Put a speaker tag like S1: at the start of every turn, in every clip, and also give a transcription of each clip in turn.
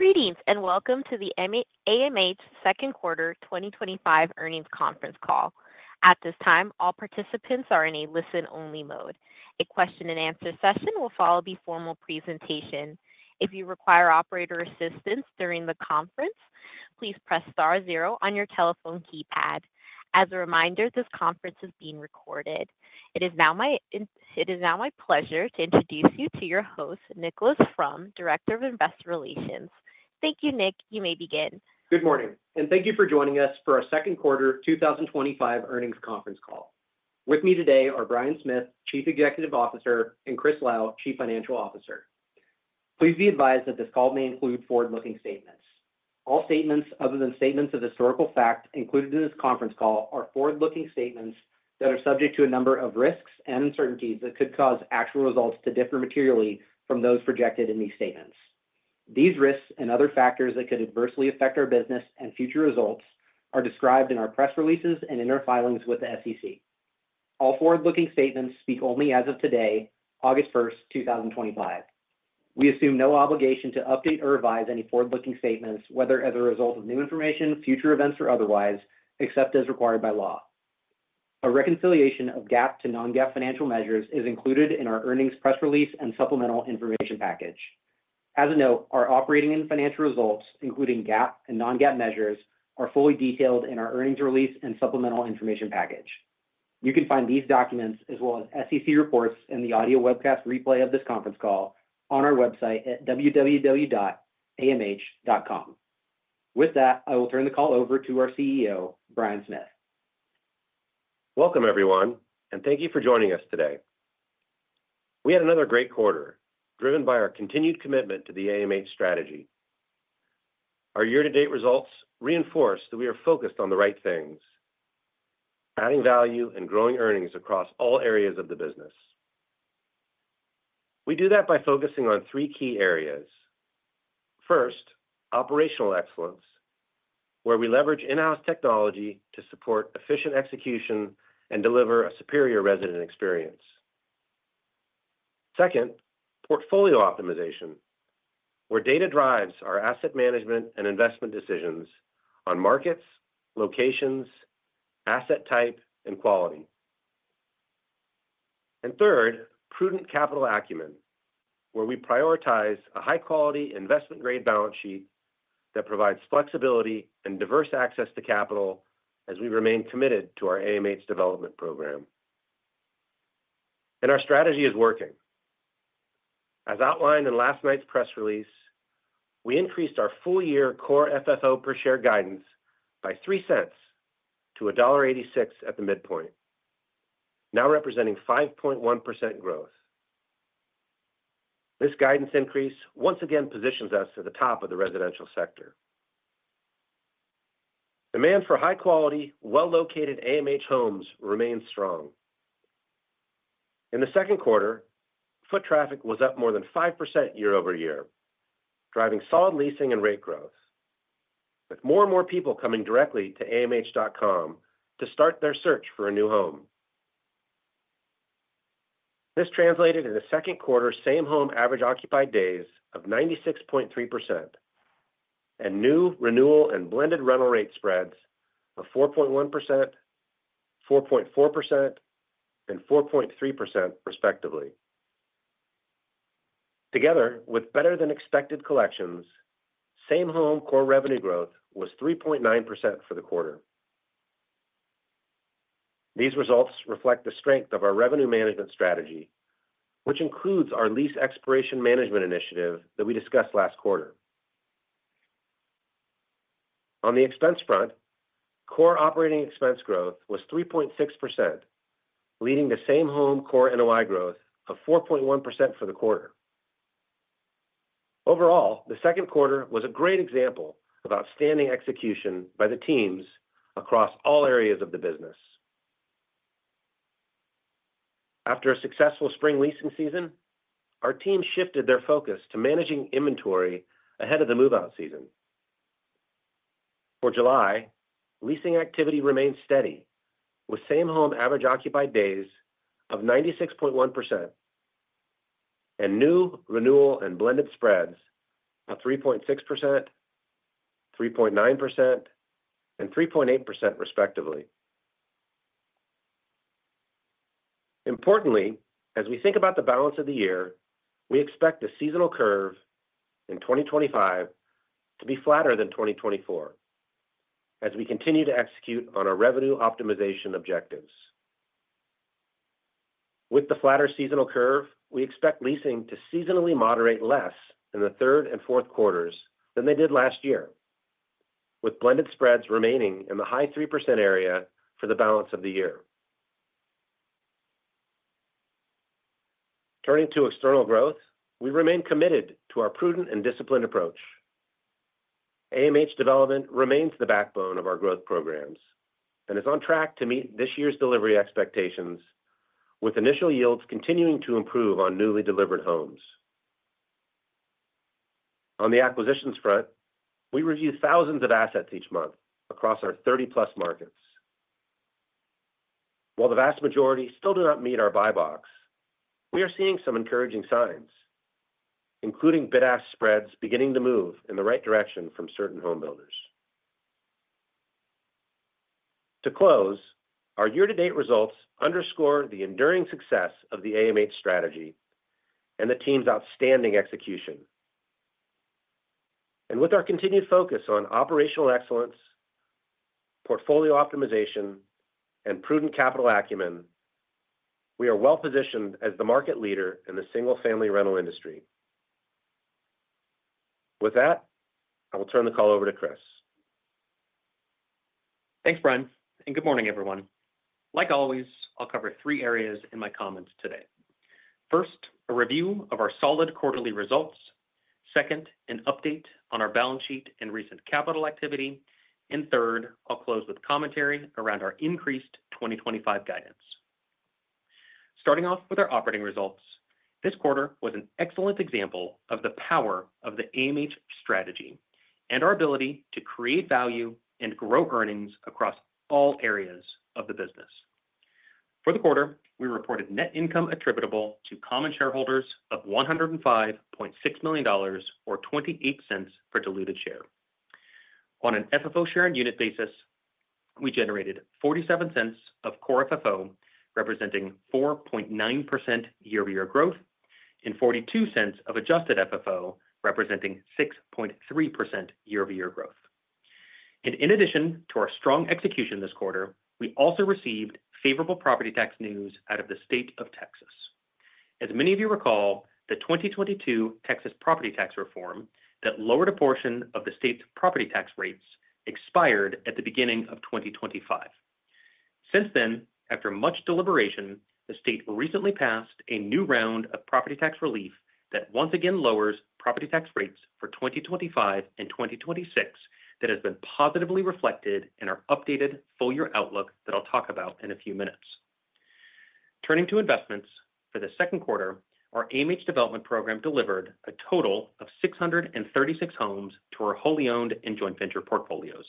S1: Greetings and welcome to the AMH second quarter 2025 earnings conference call. At this time, all participants are in a listen only mode. A question and answer session will follow the formal presentation. If you require operator assistance during the conference, please press Star 0 on your telephone keypad. As a reminder, this conference is being recorded. It is now my pleasure to introduce you to your host, Nicholas Fromm, Director of Investor Relations. Thank you, Nick. You may begin.
S2: Good morning and thank you for joining us for our second quarter 2025 earnings conference call. With me today are Bryan Smith, Chief Executive Officer, and Chris Lau, Chief Financial Officer. Please be advised that this call may include forward-looking statements. All statements other than statements of historical fact included in this conference call are forward-looking statements that are subject to a number of risks and uncertainties that could cause actual results to differ materially from those projected in these statements. These risks and other factors that could adversely affect our business and future results are described in our press releases and in our filings with the SEC. All forward-looking statements speak only as of today, August 1, 2025. We assume no obligation to update or revise any forward-looking statements, whether as a result of new information, future events, or otherwise, except as required by law. A reconciliation of GAAP to non-GAAP financial measures is included in our Earnings Press Release and Supplemental Information Package. As a note, our operating and financial results, including GAAP and non-GAAP measures, are fully detailed in our Earnings Release and Supplemental Information Package. You can find these documents as well as SEC reports and the audio webcast replay of this conference call on our website at www.amh.com. With that, I will turn the call over to our CEO, Bryan Smith.
S3: Welcome everyone and thank you for joining us today. We had another great quarter driven by our continued commitment to the AMH strategy. Our year to date results reinforce that we are focused on the right things, adding value and growing earnings across all areas of the business. We do that by focusing on three key areas. First, Operational Excellence, where we leverage in house technology to support efficient execution and deliver a superior resident experience. Second, Portfolio Optimization, where data drives our asset management and investment decisions on markets, locations, asset type and quality. Third, Prudent Capital Acumen, where we prioritize a high quality investment grade balance sheet that provides flexibility and diverse access to capital. As we remain committed to our AMH development program and our strategy is working as outlined in last night's press release, we increased our full year core FFO per share guidance by $0.03 to $1.86 at the midpoint, now representing 5.1% growth. This guidance increase once again positions us at the top of the residential sector. Demand for high quality, well located AMH homes remains strong in the second quarter. Foot traffic was up more than 5% year over year, driving solid leasing and rate growth with more and more people coming directly to AMH.com to start their search for a new home. This translated in the second quarter, same home average occupied days of 96.3% and new, renewal, and blended rental rate spreads of 4.1%, 4.4%, and 4.3%, respectively. Together with better than expected collections, same home core revenue growth was 3.9% for the quarter. These results reflect the strength of our revenue management strategy, which includes our lease expiration management initiative that we discussed last quarter. On the expense front, core operating expense growth was 3.6%, leading to same home core NOI growth of 4.1% for the quarter. Overall, the second quarter was a great example of outstanding execution by the teams across all areas of the business. After a successful spring leasing season, ourTeam shifted their focus to managing inventory ahead of the move out season. For July, leasing activity remained steady with same home average occupied days of 96.1% and new, renewal, and blended spreads of 3.6%, 3.9%, and 3.8%, respectively. Importantly, as we think about the balance of the year, we expect the seasonal curve in 2025 to be flatter than 2024 as we continue to execute on our revenue optimization objectives. With the flatter seasonal curve, we expect leasing to seasonally moderate less in the third and fourth quarters than they did last year. With blended spreads remaining in the high 3% area for the balance of the year. Turning to external growth, we remain committed to our prudent and disciplined approach. AMH development remains the backbone of our growth programs and is on track to meet this year's delivery expectations, with initial yields continuing to improve on newly delivered homes. On the acquisitions front, we review thousands of assets each month across our 30+ markets. While the vast majority still do not meet our buy box, we are seeing some encouraging signs, including bid-ask spreads beginning to move in the right direction from certain homebuilders. To close, our year to date results underscore the enduring success of the AMH strategy and the team's outstanding execution. With our continued focus on operational excellence, portfolio optimization, and prudent capital acumen, we are well positioned as the market leader in the single-family rental industry. With that, I will turn the call over to Chris.
S4: Thanks Bryan and good morning everyone. Like always, I'll cover three areas in my comments today. First, a review of our solid quarterly results. Second, an update on our balance sheet and recent capital activity. Third, I'll close with commentary around our increased 2025 guidance. Starting off with our operating results, this quarter was an excellent example of the power of the AMH strategy and our ability to create value and grow earnings across all areas of the business. For the quarter, we reported net income attributable to common shareholders of $105.6 million, or $0.28 per diluted share. On an FFO share and unit basis, we generated $0.47 of core FFO representing 4.9% year over year growth and $0.42 of adjusted FFO representing 6.3% year over year growth. In addition to our strong execution this quarter, we also received favorable property tax news out of the State of Texas. As many of you recall, the 2022 Texas property tax reform that lowered a portion of the state's property tax rates expired at the beginning of 2025. Since then, after much deliberation, the state recently passed a new round of property tax relief that once again lowers property tax rates for 2025 and 2026. That has been positively reflected in our updated full year outlook that I'll talk about in a few minutes. Turning to investments for the second quarter, our AMH development program delivered a total of 636 homes to our wholly owned and joint venture portfolios.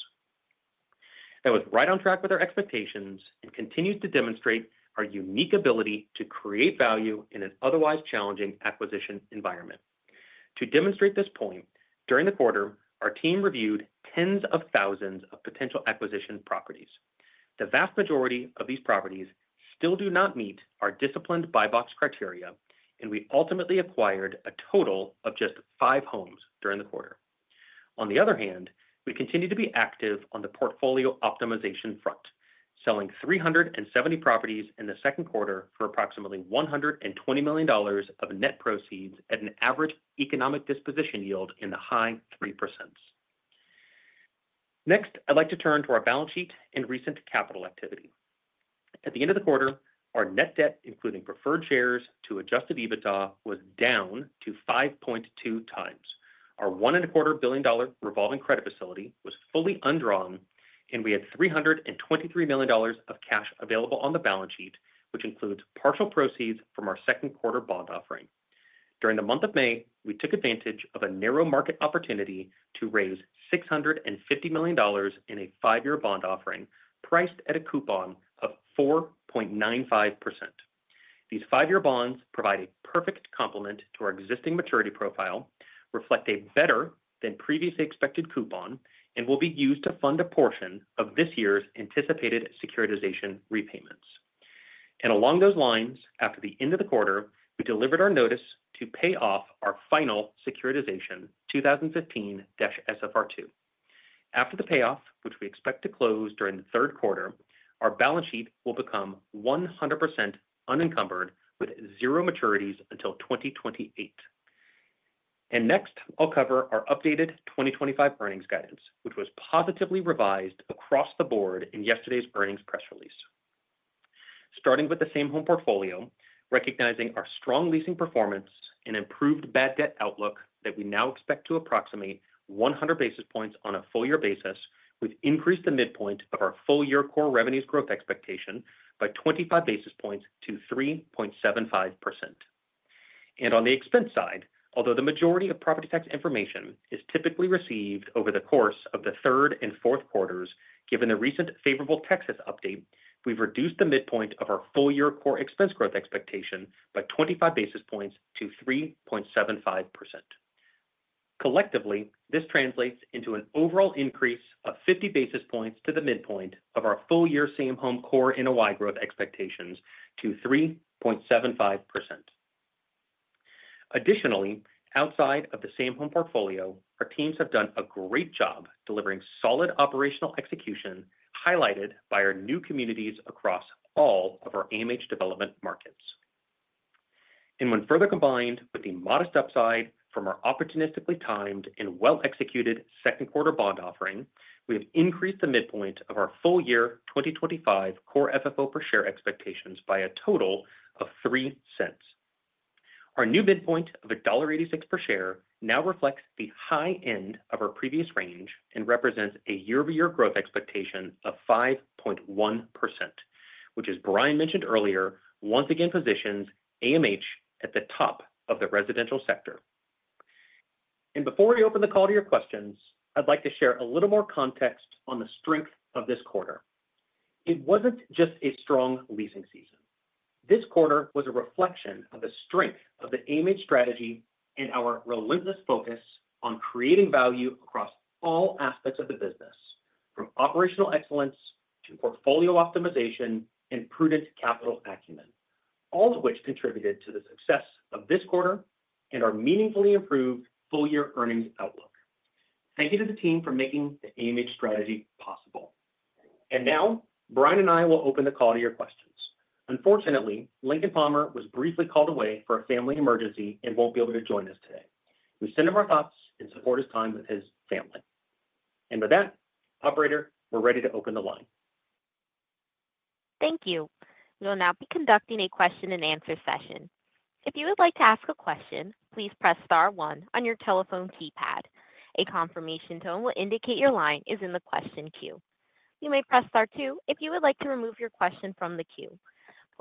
S4: That was right on track with our expectations and continues to demonstrate our unique ability to create value in an otherwise challenging acquisition environment. To demonstrate this point, during the quarter, our team reviewed tens of thousands of potential acquisition properties. The vast majority of these properties still do not meet our disciplined buy box criteria and we ultimately acquired a total of just five homes during the quarter. On the other hand, we continue to be active on the portfolio optimization front, selling 370 properties in the second quarter for approximately $120 million of net proceeds at an average economic disposition yield in the high 3%. Next, I'd like to turn to our balance sheet and recent capital activity. At the end of the quarter, our net debt, including preferred shares to adjusted EBITDA, was down to 5.2 times. Our $1.25 billion revolving credit facility was fully undrawn, and we had $323 million of cash available on the balance sheet, which includes partial proceeds from our second quarter bond offering. During the month of May, we took advantage of a narrow market opportunity to raise $650 million in a five-year bond offering. Priced at a coupon of 4.95%, these five-year bonds provide a perfect complement to our existing maturity profile, reflect a better than previously expected coupon, and will be used to fund a portion of this year's anticipated securitization repayments. Along those lines, after the end of the quarter, we delivered our notice to pay off our final securitization 2015 SFR 2. After the payoff, which we expect to close during the third quarter, our balance sheet will become 100% unencumbered with zero maturities until 2028. Next, I'll cover our updated 2025 earnings guidance, which was positively revised across the board in yesterday's earnings press release. Starting with the same home portfolio, recognizing our strong leasing performance and improved bad debt outlook that we now expect to approximate 100 basis points on a full-year basis, we've increased the midpoint of our full-year core revenues growth expectation by 25 basis points to 3.75%. On the expense side, although the majority of property tax information is typically received over the course of the third and fourth quarters, given the recent favorable Texas update, we've reduced the midpoint of our full-year core expense growth expectation by 25 basis points to 3.75%. Collectively, this translates into an overall increase of 50 basis points to the midpoint of our full-year same home core NOI growth expectations to 3.75%. Additionally, outside of the same home portfolio, our teams have done a great job delivering solid operational execution highlighted by our new communities across all of our AMH development markets. When further combined with the modest upside from our opportunistically timed and well-executed second quarter bond offering, we have increased the midpoint of our full-year 2025 core FFO per share expectations by a total of $0.03. Our new midpoint of $1.86 per share now reflects the high end of our previous range and represents a year over year growth expectation of 5.1%, which, as Bryan mentioned earlier, once again positions AMH at the top of the residential sector. Before we open the call to your questions, I'd like to share a little more context on the strength of this quarter. It wasn't just a strong leasing season. This quarter was a reflection of the strength of the AMH strategy and our relentless focus on creating value across all aspects of the business, from operational excellence to portfolio optimization and prudent capital acumen, all of which contributed to the success of this quarter and our meaningfully improved full year earnings outlook. Thank you to the team for making the AMH strategy possible. Bryan and I will open the call to your questions. Unfortunately, Lincoln Palmer was briefly called away for a family emergency and won't be able to join us today. We send him our thoughts and support his time with his family. With that, operator, we're ready to open the line.
S1: Thank you. We will now be conducting a question and answer session. If you would like to ask a question, please press star one on your telephone keypad. A confirmation tone will indicate your line is in the question queue. You may press star two if you would like to remove your question from the queue.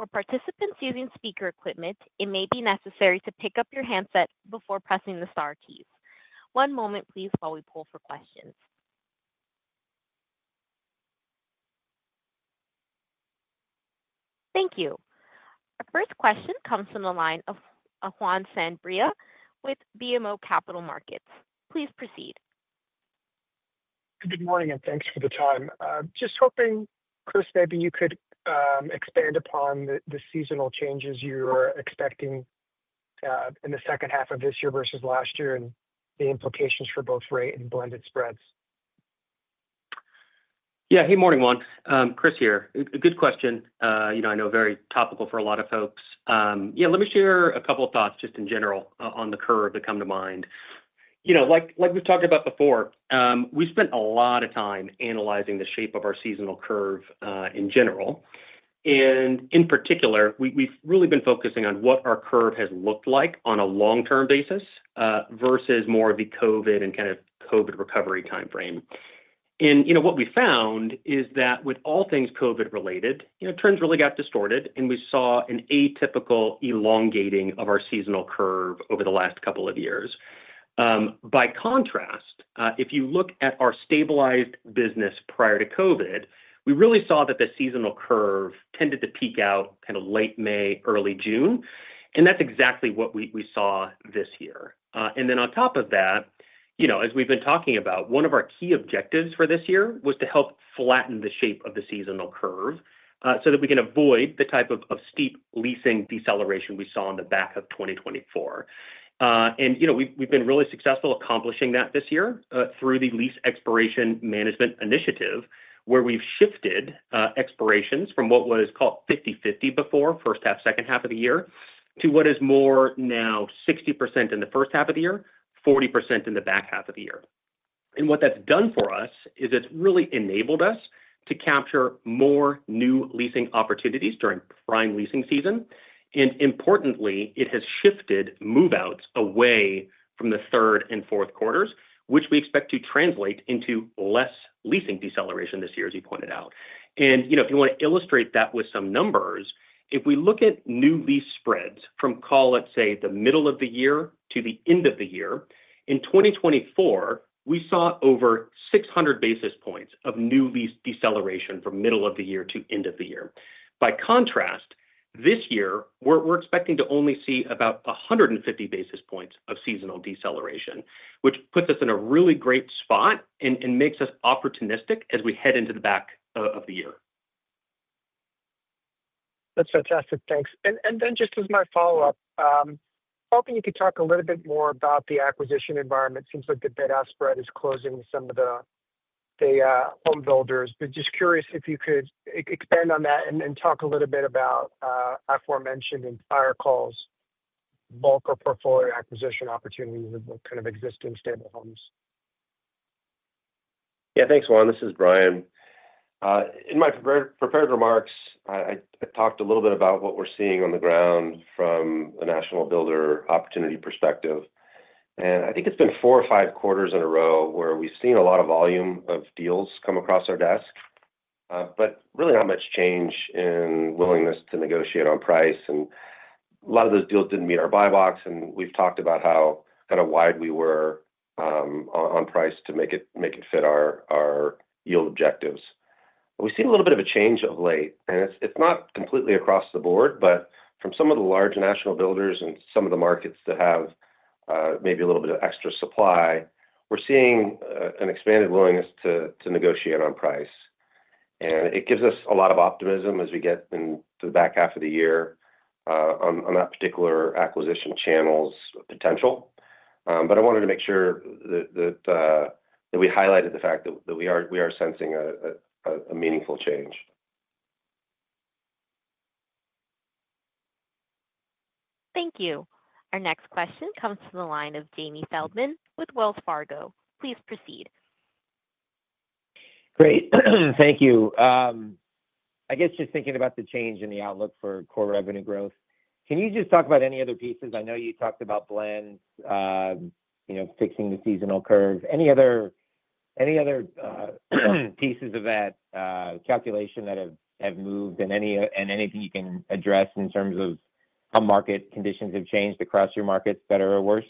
S1: For participants using speaker equipment, it may be necessary to pick up your handset before pressing the star keys. One moment please, while we poll for questions. Thank you. Our first question comes from the line of Juan Sanabria with BMO Capital Markets. Please proceed.
S5: Good morning and thanks for the time. Just hoping, Chris, maybe you could expand upon the seasonal changes you were expecting in the second half of this year versus last year and the implications for both rate and blended spreads.
S4: Yeah, hey, morning Juan. Chris here. Good question. I know, very topical for a lot of folks. Let me share a couple of thoughts just in general on the curve that come to mind. Like we've talked about before, we spent a lot of time analyzing the shape of our seasonal curve in general. In particular, we've really been focusing on what our curve has looked like on a long-term basis versus more of the COVID and kind of COVID recovery timeframe. What we found is that with all things COVID related, trends really got distorted and we saw an atypical elongating of our seasonal curve over the last couple of years. By contrast, if you look at our stabilized business prior to COVID, we really saw that the seasonal curve tended to peak out kind of late May, early June. That's exactly what we saw this year. On top of that, as we've been talking about, one of our key objectives for this year was to help flatten the shape of the seasonal curve so that we can avoid the type of steep leasing deceleration we saw in the back of 2024. We've been really successful accomplishing that this year through the lease expiration management program where we've shifted expirations from what was called 50/50 before, first half, second half of the year, to what is more now, 60% in the first half of the year, 40% in the back half of the year. What that's done for us is it's really enabled us to capture more new leasing opportunities during prime leasing season. Importantly, it has shifted move outs away from the third and fourth quarters, which we expect to translate into less leasing deceleration this year, as you pointed out. If you want to illustrate that with some numbers, if we look at new lease spreads from, call it, let's say the middle of the year to the end of the year, in 2024, we saw over 600 basis points of new lease deceleration from middle of the year to end of the year. By contrast, this year we're expecting to only see about 150 basis points of seasonal deceleration, which puts us in a really great spot and makes us opportunistic as we head into the back of the year.
S5: That's fantastic. Thanks. Just as my follow up, hoping you could talk a little bit more about the acquisition environment. Seems like the bid-ask spread is disclosing some of the national homebuilders. am just curious if you could expand on that and talk a little bit about aforementioned in prior calls, bulk or portfolio acquisition opportunities, kind of existing stable homes.
S3: Yeah, thanks, Juan. This is Bryan. In my prepared remarks, I talked a little bit about what we're seeing on the ground from a national builder opportunity perspective. I think it's been four or five quarters in a row where we've seen a lot of volume of deals come across our desk, but really not much change in willingness to negotiate on price. A lot of those deals didn't meet our buy box. We've talked about how kind of wide we were on price to make it fit our yield objectives. We've seen a little bit of a change of late, and it's not completely across the board. From some of the large national homebuilders and some of the markets that have maybe a little bit of extra supply, we're seeing an expanded willingness to negotiate on price. It gives us a lot of optimism as we get into the back half of the year on that particular acquisition channel's potential. I wanted to make sure that we highlighted the fact that we are sensing a meaningful change.
S1: Thank you. Our next question comes to the line of Jamie Feldman with Wells Fargo. Please proceed.
S6: Great, thank you. I guess just thinking about the change in the outlook for core revenue growth, can you just talk about any other pieces? I know you talked about blends fixing the seasonal curve. Are there any other pieces of that calculation that have moved? Anything you can address in terms of that? Of how market conditions have changed across your markets, better or worse?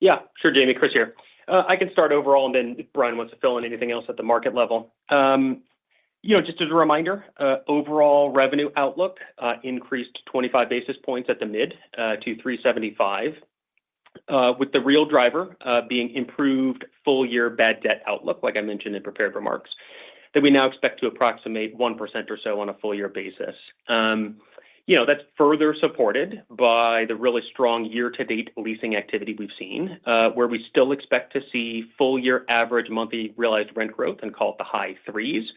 S4: Yeah, sure, Jamie, Chris here. I can start overall and then Bryan wants to fill in anything else at the market level. You know, just as a reminder, overall revenue outlook increased 25 basis points at the mid to 3.75% with the real driver being improved full year bad debt outlook like I mentioned in prepared remarks that we now expect to approximate 1% or so on a full year basis. That's further supported by the really strong year to date leasing activity we've seen where we still expect to see full year average monthly realized rent growth and call it the high threes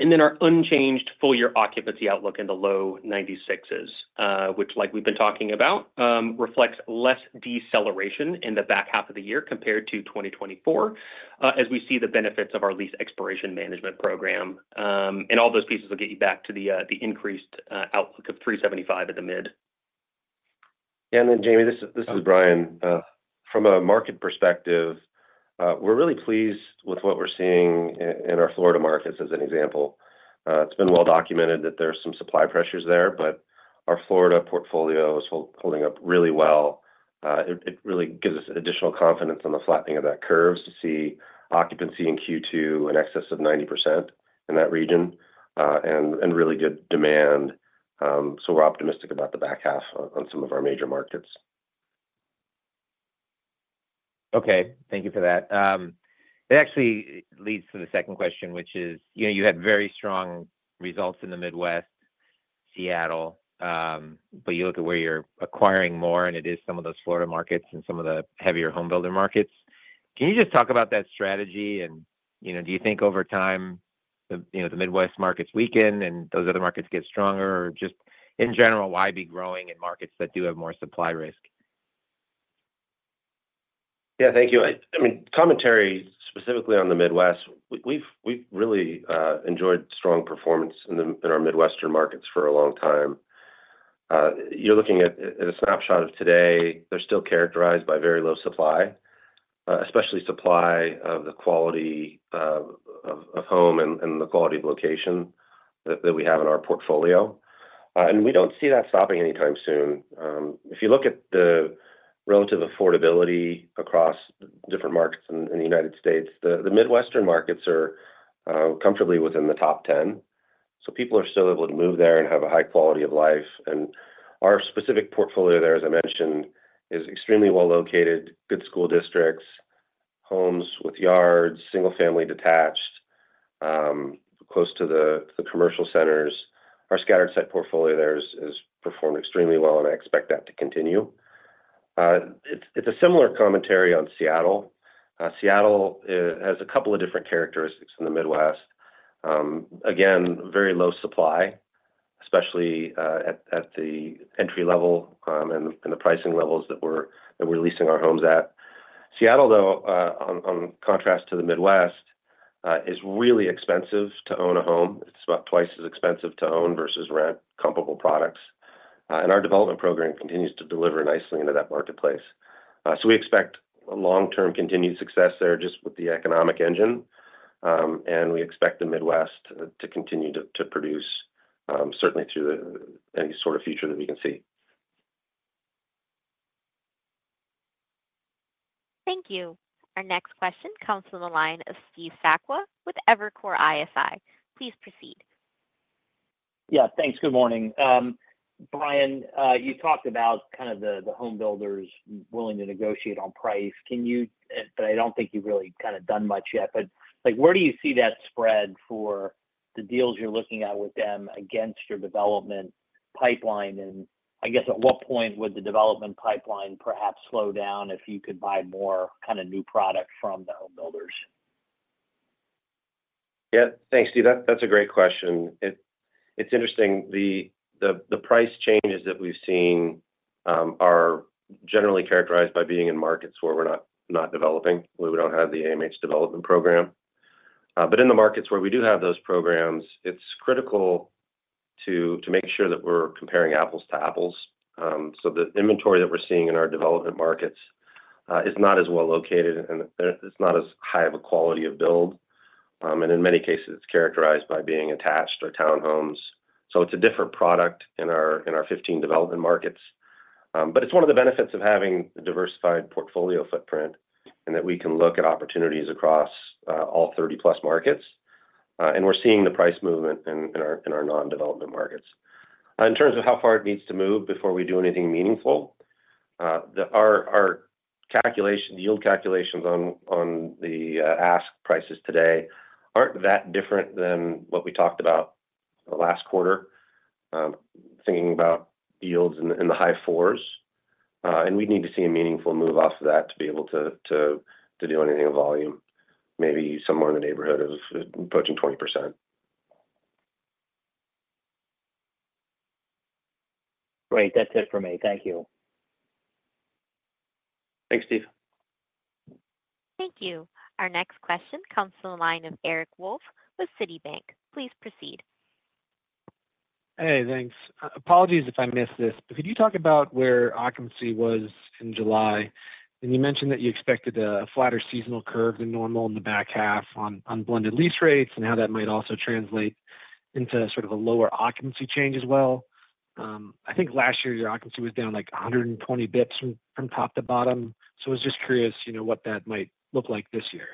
S4: and then our unchanged full year occupancy outlook in the low 96% which, like we've been talking about, reflects less deceleration in the back half of the year compared to 2024 as we see the benefits of our lease expiration management program. All those pieces will get you back to the increased outlook of 3.75% at the mid.
S3: Jamie, this is Bryan. From a market perspective, we're really pleased with what we're seeing in our Florida markets. As an example, it's been well documented that there's some supply pressures there, but our Florida portfolio is holding up really well. It really gives us additional confidence on the flattening of that curve to see occupancy in Q2 in excess of 90% in that region and really good demand. We're optimistic about the back half on some of our major markets.
S6: Thank you for that. It actually leads to the second question which is, you had very strong results in the Midwest, Seattle, but you look at where you're acquiring more and it is some of those Florida markets and some of the heavier home builder markets. Can you just talk about that strategy and do you think over time the Midwest markets weaken and those other markets get stronger or just in general, why be growing in markets that do have more supply risk?
S3: Thank you. Commentary specifically on the Midwest, we've really enjoyed strong performance in our Midwestern markets for a long time. You're looking at a snapshot of today. They're still characterized by very low supply, especially supply of the quality of home and the quality of location that we have in our portfolio. We don't see that stopping anytime soon. If you look at the relative affordability across different markets in the U.S., the Midwestern markets are comfortably within the top 10. People are still able to move there and have a high quality of life. Our specific portfolio there, as I mentioned, is extremely well located, good school districts, homes with yards, single-family detached, close to the commercial centers. Our scattered site portfolio there has performed extremely well and I expect that to continue. It's a similar commentary on Seattle. Seattle has a couple of different characteristics than the Midwest. Again, very low supply, especially at the entry level and the pricing levels that we're leasing our homes at. Seattle, in contrast to the Midwest, is really expensive to own a home. It's about twice as expensive to own versus rent comparable products. Our development program continues to deliver nicely into that marketplace. We expect a long-term continued success there just with the economic engine and we expect the Midwest to continue to produce certainly through any sort of future that we can see.
S1: Thank you. Our next question comes from the line of Steve Sakwa with Evercore ISI. Please proceed.
S7: Yeah, thanks. Good morning, Bryan. You talked about kind of the homebuilders willing to negotiate on price. I don't think you've really kind of done much yet, but where do you see that spread for the deals you're looking at with them against your development pipeline? I guess at what point would the development pipeline perhaps slow down if you could buy more kind of new product from the homebuilders?
S3: Yeah, thanks Steve. That's a great question. It's interesting. The price changes that we've seen are generally characterized by being in markets where we're not developing. We don't have the AMH development program. In the markets where we do have those programs, it's critical to make sure that we're comparing apples to apples. The inventory that we're seeing in our development markets is not as well located and it's not as high of a quality of build, and in many cases, it's characterized by being attached or townhomes. It's a different product in our 15 development markets. It's one of the benefits of having a diversified portfolio footprint in that we can look at opportunities across all 30+ markets, and we're seeing the price movement in our non-development markets. In terms of how far it needs to move before we do anything meaningful, our yield calculations on the ask prices today aren't that different than what we talked about last quarter, thinking about yields in the high 4s, and we need to see a meaningful move off of that to be able to do anything of volume, maybe somewhere in the neighborhood of approaching 20%.
S7: Great. That's it for me. Thank you.
S3: Thanks, Steve.
S1: Thank you. Our next question comes from the line of Eric Wolfe with Citigroup. Please proceed.
S8: Hey, thanks. Apologies if I missed this, but could you talk about where occupancy was in July? You mentioned that you expected a flatter seasonal curve than normal in the back half on blended lease rates and how that might also translate into sort of a lower occupancy change as well. I think last year your occupancy was down like 120 bps from top to bottom. I was just curious, you know, what that might look like this year.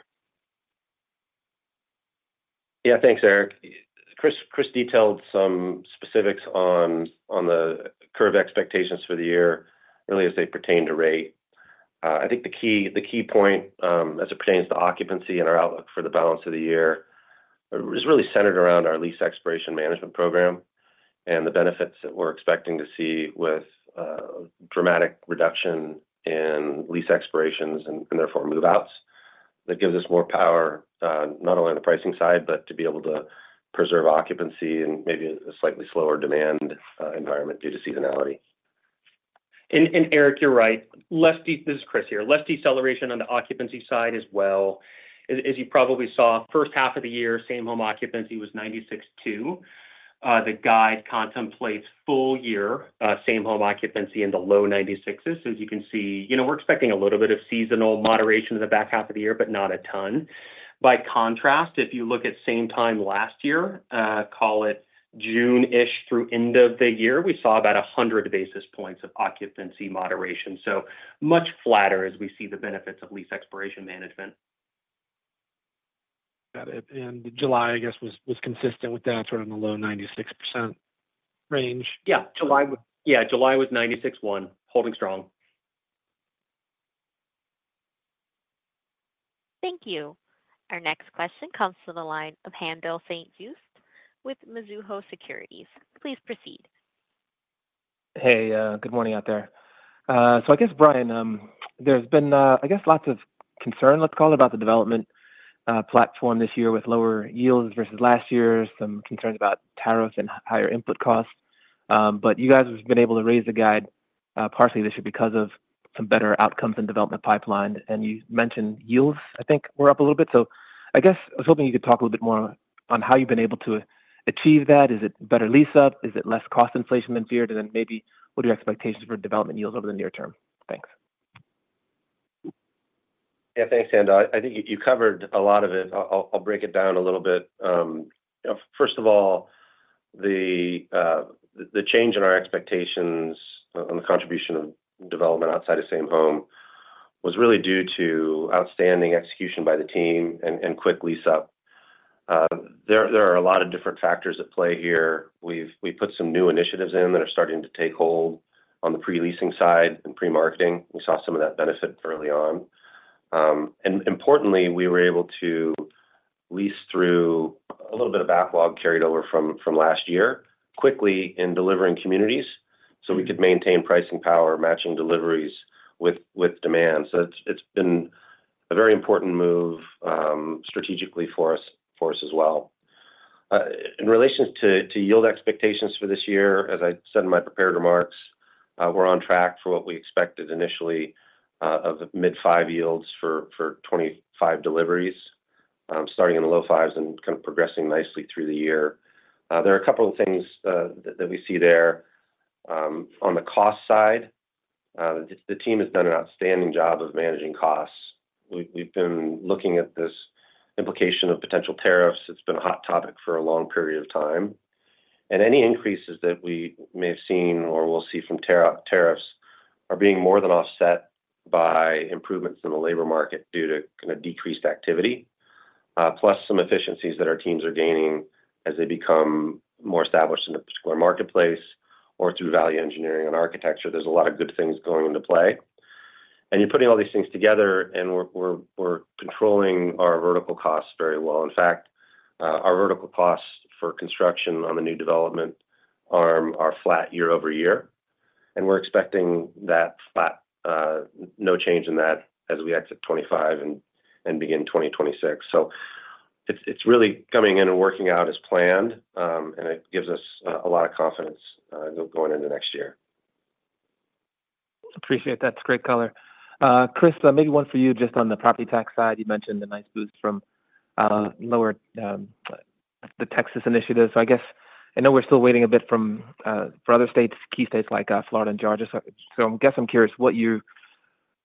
S8: Yeah.
S3: Thanks, Eric. Chris detailed some specifics on the curve expectations for the year really as they pertain to rate. I think the key point as it pertains to occupancy and our outlook for the balance of the year is really centered around our lease expiration management program and the benefits that we're expecting to see with dramatic reduction in lease expirations and therefore move outs. That gives us more power not only on the pricing side, but to be able to preserve occupancy in maybe a slightly slower demand environment due to seasonality.
S4: Eric, you're right. This is Chris here. Less deceleration on the occupancy side as well. As you probably saw, first half of the year, same home occupancy was 96.2%. The guide contemplates full year, same home occupancy in the low 96%s. As you can see, we're expecting a little bit of seasonal moderation in the back half of the year, but not a ton. By contrast, if you look at same time last year, call it June through end of the year, we saw about 100 basis points of occupancy moderation. Much flatter as we see the benefits of lease expiration management.
S8: July was consistent with that sort of low 96% range.
S4: July was 96.1%, holding strong.
S1: Thank you. Our next question comes from the line of Haendel St. Juste with Mizuho Americas. Please proceed.
S9: Hey, good morning out there. I guess Bryan, there's been lots of concern, let's call it, about the development platform this year with lower yields versus last year, some concerns about tariffs and higher input costs. You guys have been able to raise the guide partially this year because of some better outcomes and development pipeline. You mentioned yields I think were up a little bit. I was hoping you. Could you talk a little bit more on how you've been able to achieve that? Is it better lease up? Is it less cost inflation than feared? What are your expectations for development yields over the near term? Thanks.
S3: Yeah, thanks Sandal. I think you covered a lot of it. I'll break it down a little bit. First of all, the change in our expectations on the contribution of development outside of same home was really due to outstanding execution by the team and quick lease up. There are a lot of different factors at play here. We put some new initiatives in that are starting to take hold on the pre-leasing side and pre-marketing. We saw some of that benefit early on, and importantly, we were able to lease through a little bit of backlog carried over from last year quickly in delivering communities so we could maintain pricing power, matching deliveries with demand. It's been a very important move strategically for us as well in relation to yield expectations for this year. As I said in my prepared remarks, we're on track for what we expected initially of mid 5% yields for 2025 deliveries, starting in the low fives and kind of progressing nicely through the year. There are a couple of things that we see there on the cost side. The team has done an outstanding job of managing costs. We've been looking at this implication of potential tariffs. It's been a hot topic for a long period of time, and any increases that we may have seen or will see from tariffs are being more than offset by improvements in the labor market due to decreased activity, plus some efficiencies that our teams are gaining as they become more established in the square marketplace or through value engineering and architecture. There's a lot of good things going into play, and you're putting all these things together, and we're controlling our vertical costs very well. In fact, our vertical costs for construction on the new development are flat year over year, and we're expecting that flat, no change in that as we exit 2025 and begin 2026. It's really coming in and working out as planned, and it gives us a lot of confidence going into next year.
S9: Appreciate that. That's great color. Chris, maybe one for you. Just on the property tax side, you mentioned the nice boost from lower the Texas initiatives. I know we're still. Waiting a bit from other states, key states like Florida and Georgia. I guess I'm curious what you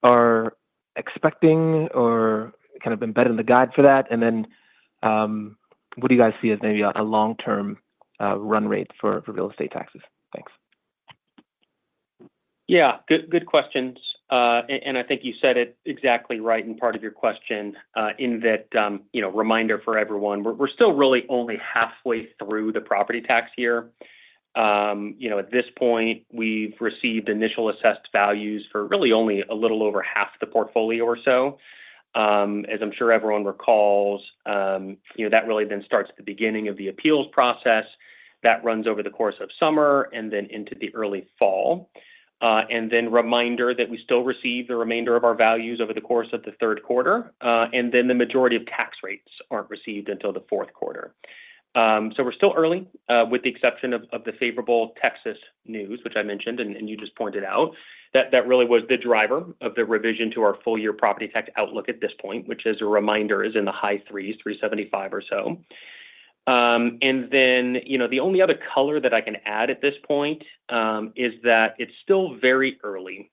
S9: are expecting or kind of embedded in the guide for that. What do you guys see as maybe a long term run rate for real estate taxes? Thanks.
S4: Yeah, good questions. I think you said it exactly right in part of your question in that, you know, reminder for everyone, we're still really only halfway through the property tax year. At this point we've received initial assessed values for really only a little over half the portfolio or so, as I'm sure everyone recalls. That really then starts at the beginning of the appeals process that runs over the course of summer and into the early fall, and reminder that we still receive the remainder of our values over the course of the third quarter, and the majority of tax rates aren't received until the fourth quarter. We're still early with the exception of the favorable Texas news, which I mentioned and you just pointed out, that really was the driver of the revision to our full year property tax outlook at this point, which as a reminder is in the high $375 million or so. The only other color that I can add at this point is that it's still very early.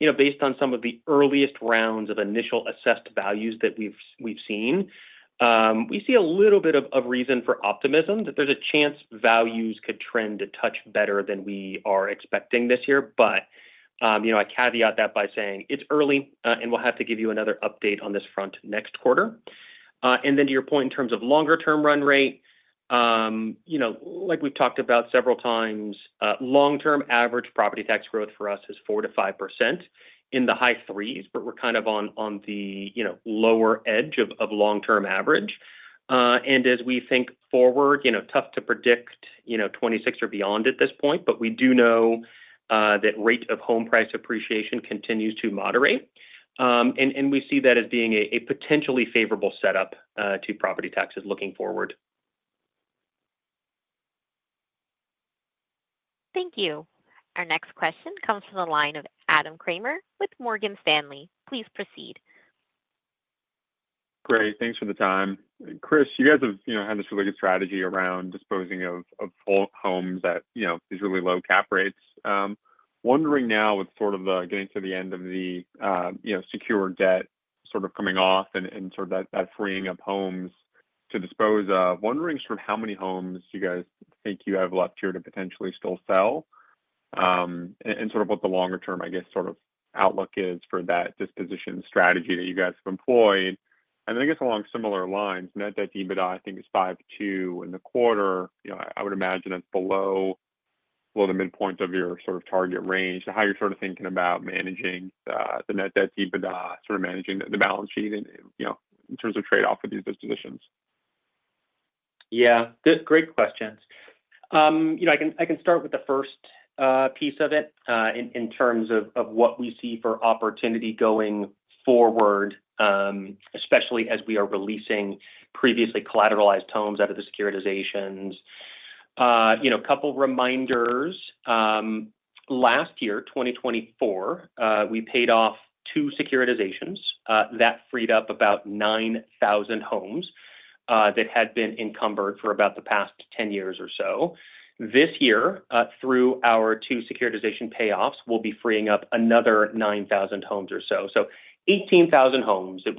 S4: Based on some of the earliest rounds of initial assessed values that we've seen, we see a little bit of reason for optimism that there's a chance values could trend a touch better than we are expecting this year. I caveat that by saying it's early and we'll have to give you another update on this front next quarter. To your point in terms of longer term run rate, like we've talked about several times, long term average property tax growth for us is 4% to 5% in the high threes. We're kind of on the lower edge of long term average, and as we think forward, tough to predict 2026 or beyond at this point. We do know that rate of home price appreciation continues to moderate and we see that as being a potentially favorable setup to property taxes looking forward.
S1: Thank you. Our next question comes from the line of Adam Kramer with Morgan Stanley. Please proceed.
S10: Great. Thanks for the time, Chris. You guys have had this really good. Strategy around disposing of homes at these really low cap rates. Wondering now with sort of getting to the end of the secured debt coming off and sort of that. Freeing up homes to dispose of, wondering. How many homes you guys think you have left here to potentially still sell and sort of what the longer term, I guess sort of outlook is for that disposition strategy that you guys have employed? Along similar lines, net debt to EBITDA I think is 5.2 in the quarter. I would imagine that's below the midpoint of your sort of target range, How you're sort of thinking about managing the net debt to EBITDA, sort of managing the balance sheet, and you know, in terms of trade off with these dispositions?
S4: Yeah, great questions. I can start with the first piece of it in terms of what we see for opportunity going forward, especially as we are releasing previously collateralized homes out of the securitizations. A couple reminders. Last year, 2024, we paid off two securitizations that freed up about 9,000 homes that had been encumbered for about the past 10 years or so. This year, through our two securitization payoffs, we'll be freeing up another 9,000 homes or so. So 18,000 homes that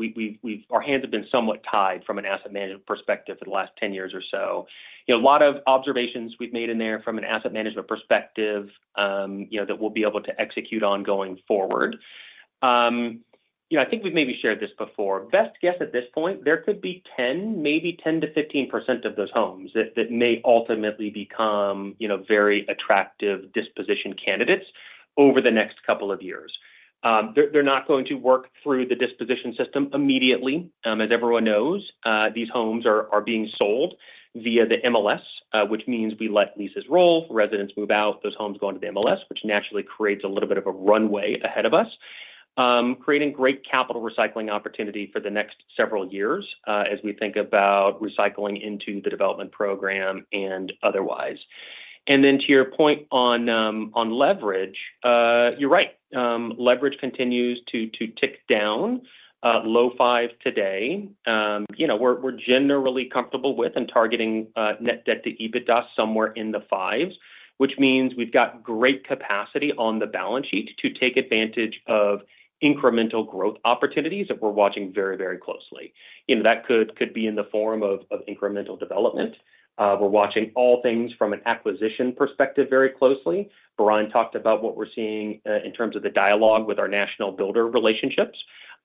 S4: our hands have been somewhat tied from an asset management perspective for the last 10 years or so. A lot of observations we've made in there from an asset management perspective that we'll be able to execute on going forward. I think we've maybe shared this before. Best guess, at this point, there could be 10, maybe 10 to 15% of those homes that may ultimately become very attractive disposition candidates over the next couple of years. They're not going to work through the disposition system immediately. As everyone knows, these homes are being sold via the MLS, which means we let leases roll, residents move out, those homes go into the MLS, which naturally creates a little bit of runway ahead of us, creating great capital recycling opportunity for the next several years as we think about recycling into the development program and otherwise. To your point on leverage, you're right, leverage continues to tick down, low 5s today. We're generally comfortable with and targeting net debt to EBITDA somewhere in the 5s, which means we've got great capacity on the balance sheet to take advantage of incremental growth opportunities that we're watching very, very closely. That could be in the form of incremental development. We're watching all things from an acquisition perspective very closely. Bryan talked about what we're seeing in terms of the dialogue with our national builder relationships.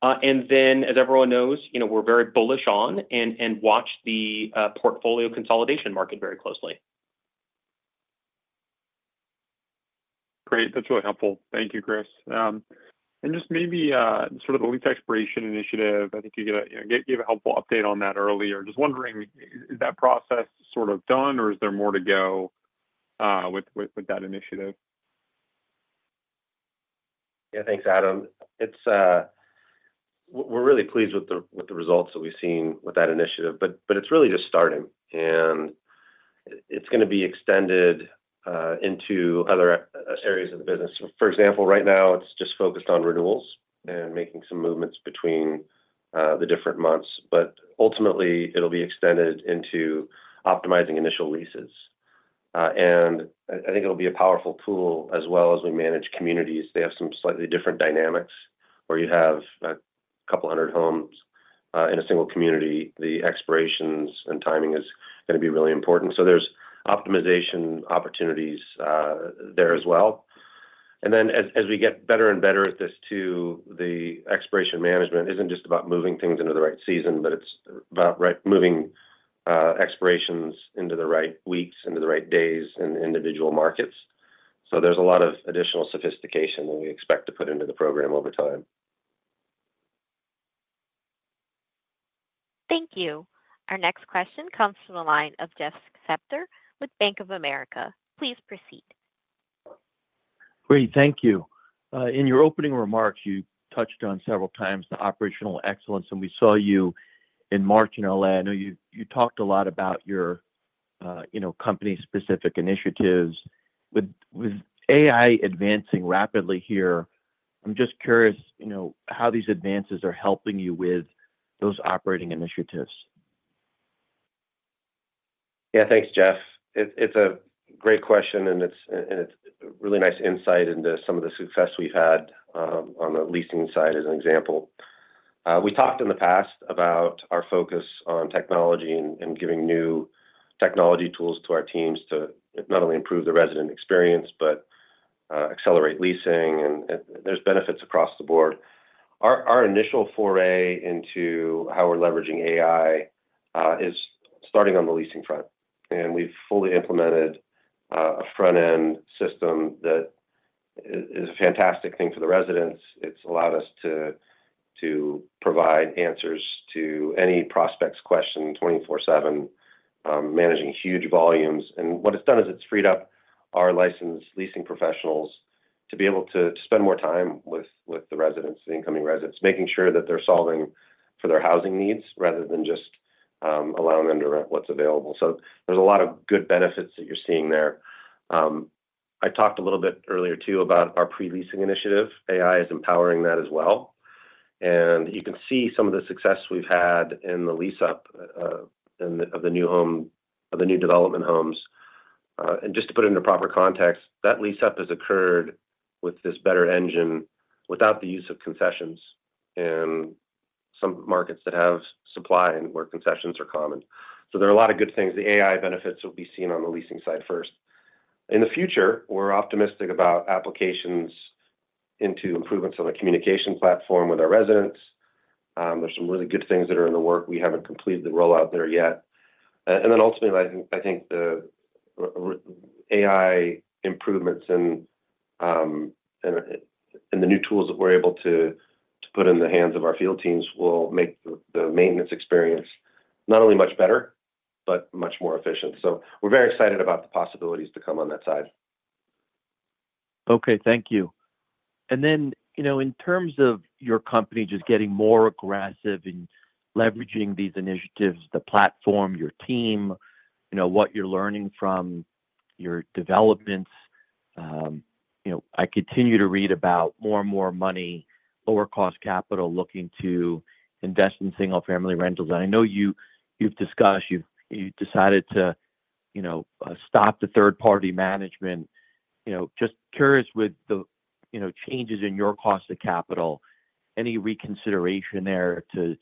S4: As everyone knows, we're very bullish on and watch the portfolio consolidation market very closely.
S10: Great. That's really helpful. Thank you, Chris. Just maybe sort of the lease expiration initiative, I think you gave a helpful update on that earlier. Just wondering is that process sort of done or is there more to go with that initiative?
S3: Yeah, thanks, Adam. We're really pleased with the results that we've seen with that initiative, but it's really just starting and it's going to be extended into other areas of the business. For example, right now it's just focused on renewals and making some movements between the different months. Ultimately, it'll be extended into optimizing initial leases and I think it'll be a powerful tool as well. As we manage communities, they have some slightly different dynamics. Where you have a couple hundred homes in a single community, the expirations and timing is going to be really important. There's optimization opportunities there as well. As we get better and better at this too, the expiration management isn't just about moving things into the right season, but it's about moving expirations into the right weeks, into the right days in individual markets. There's a lot of additional sophistication that we expect to put into the program over time.
S1: Thank you. Our next question comes from the line of Jeffrey Spector with Bank of America. Please proceed.
S11: Great, thank you. In your opening remarks, you touched on several times the operational excellence and we saw you in March in LA. I know you talked a lot about your company specific initiatives with AI advancing rapidly here. I'm just curious how these advances are helping you with those operating initiatives.
S3: Yeah, thanks, Jeff. It's a great question and it's really nice insight into some of the success we've had on the leasing side. As an example, we talked in the past about our focus on technology and giving new technology tools to our teams to not only improve the resident experience, but accelerate leasing. There are benefits across the board. Our initial foray into how we're leveraging AI is starting on the leasing front. We've fully implemented a front end system that is a fantastic thing for the residents. It's allowed us to provide answers to any prospect's question 24/7, managing huge volumes. What it's done is it's freed up our licensed leasing professionals to be able to spend more time with the residents, the incoming residents, making sure that they're solving for their housing needs rather than just allowing them to rent what's available. There are a lot of good benefits that you're seeing there. I talked a little bit earlier too about our pre-leasing initiative. AI is empowering that as well. You can see some of the success we've had in the lease up of the new home, of the new development homes. Just to put it into proper context, that lease up has occurred with this better engine without the use of concessions in some markets that have supply and where concessions are common. There are a lot of good things. The AI benefits will be seen on the leasing side first. In the future, we're optimistic about applications into improvements on the communication platform with our residents. There are some really good things that are in the work. We haven't completed the rollout there yet. Ultimately, I think the AI improvements and the new tools that we're able to put in the hands of our field teams will make the maintenance experience not only much better, but much more efficient. We're very excited about the possibilities to come on that side.
S11: Okay, thank you. In terms of your company just getting more aggressive in leveraging these initiatives, the platform, your team, what you're learning from your developments, I continue to read about more and more money, lower cost capital looking to invest in single-family rentals. I know you've discussed you decided to stop the third party management. Just curious, with the changes in your cost of capital, any reconsideration there? This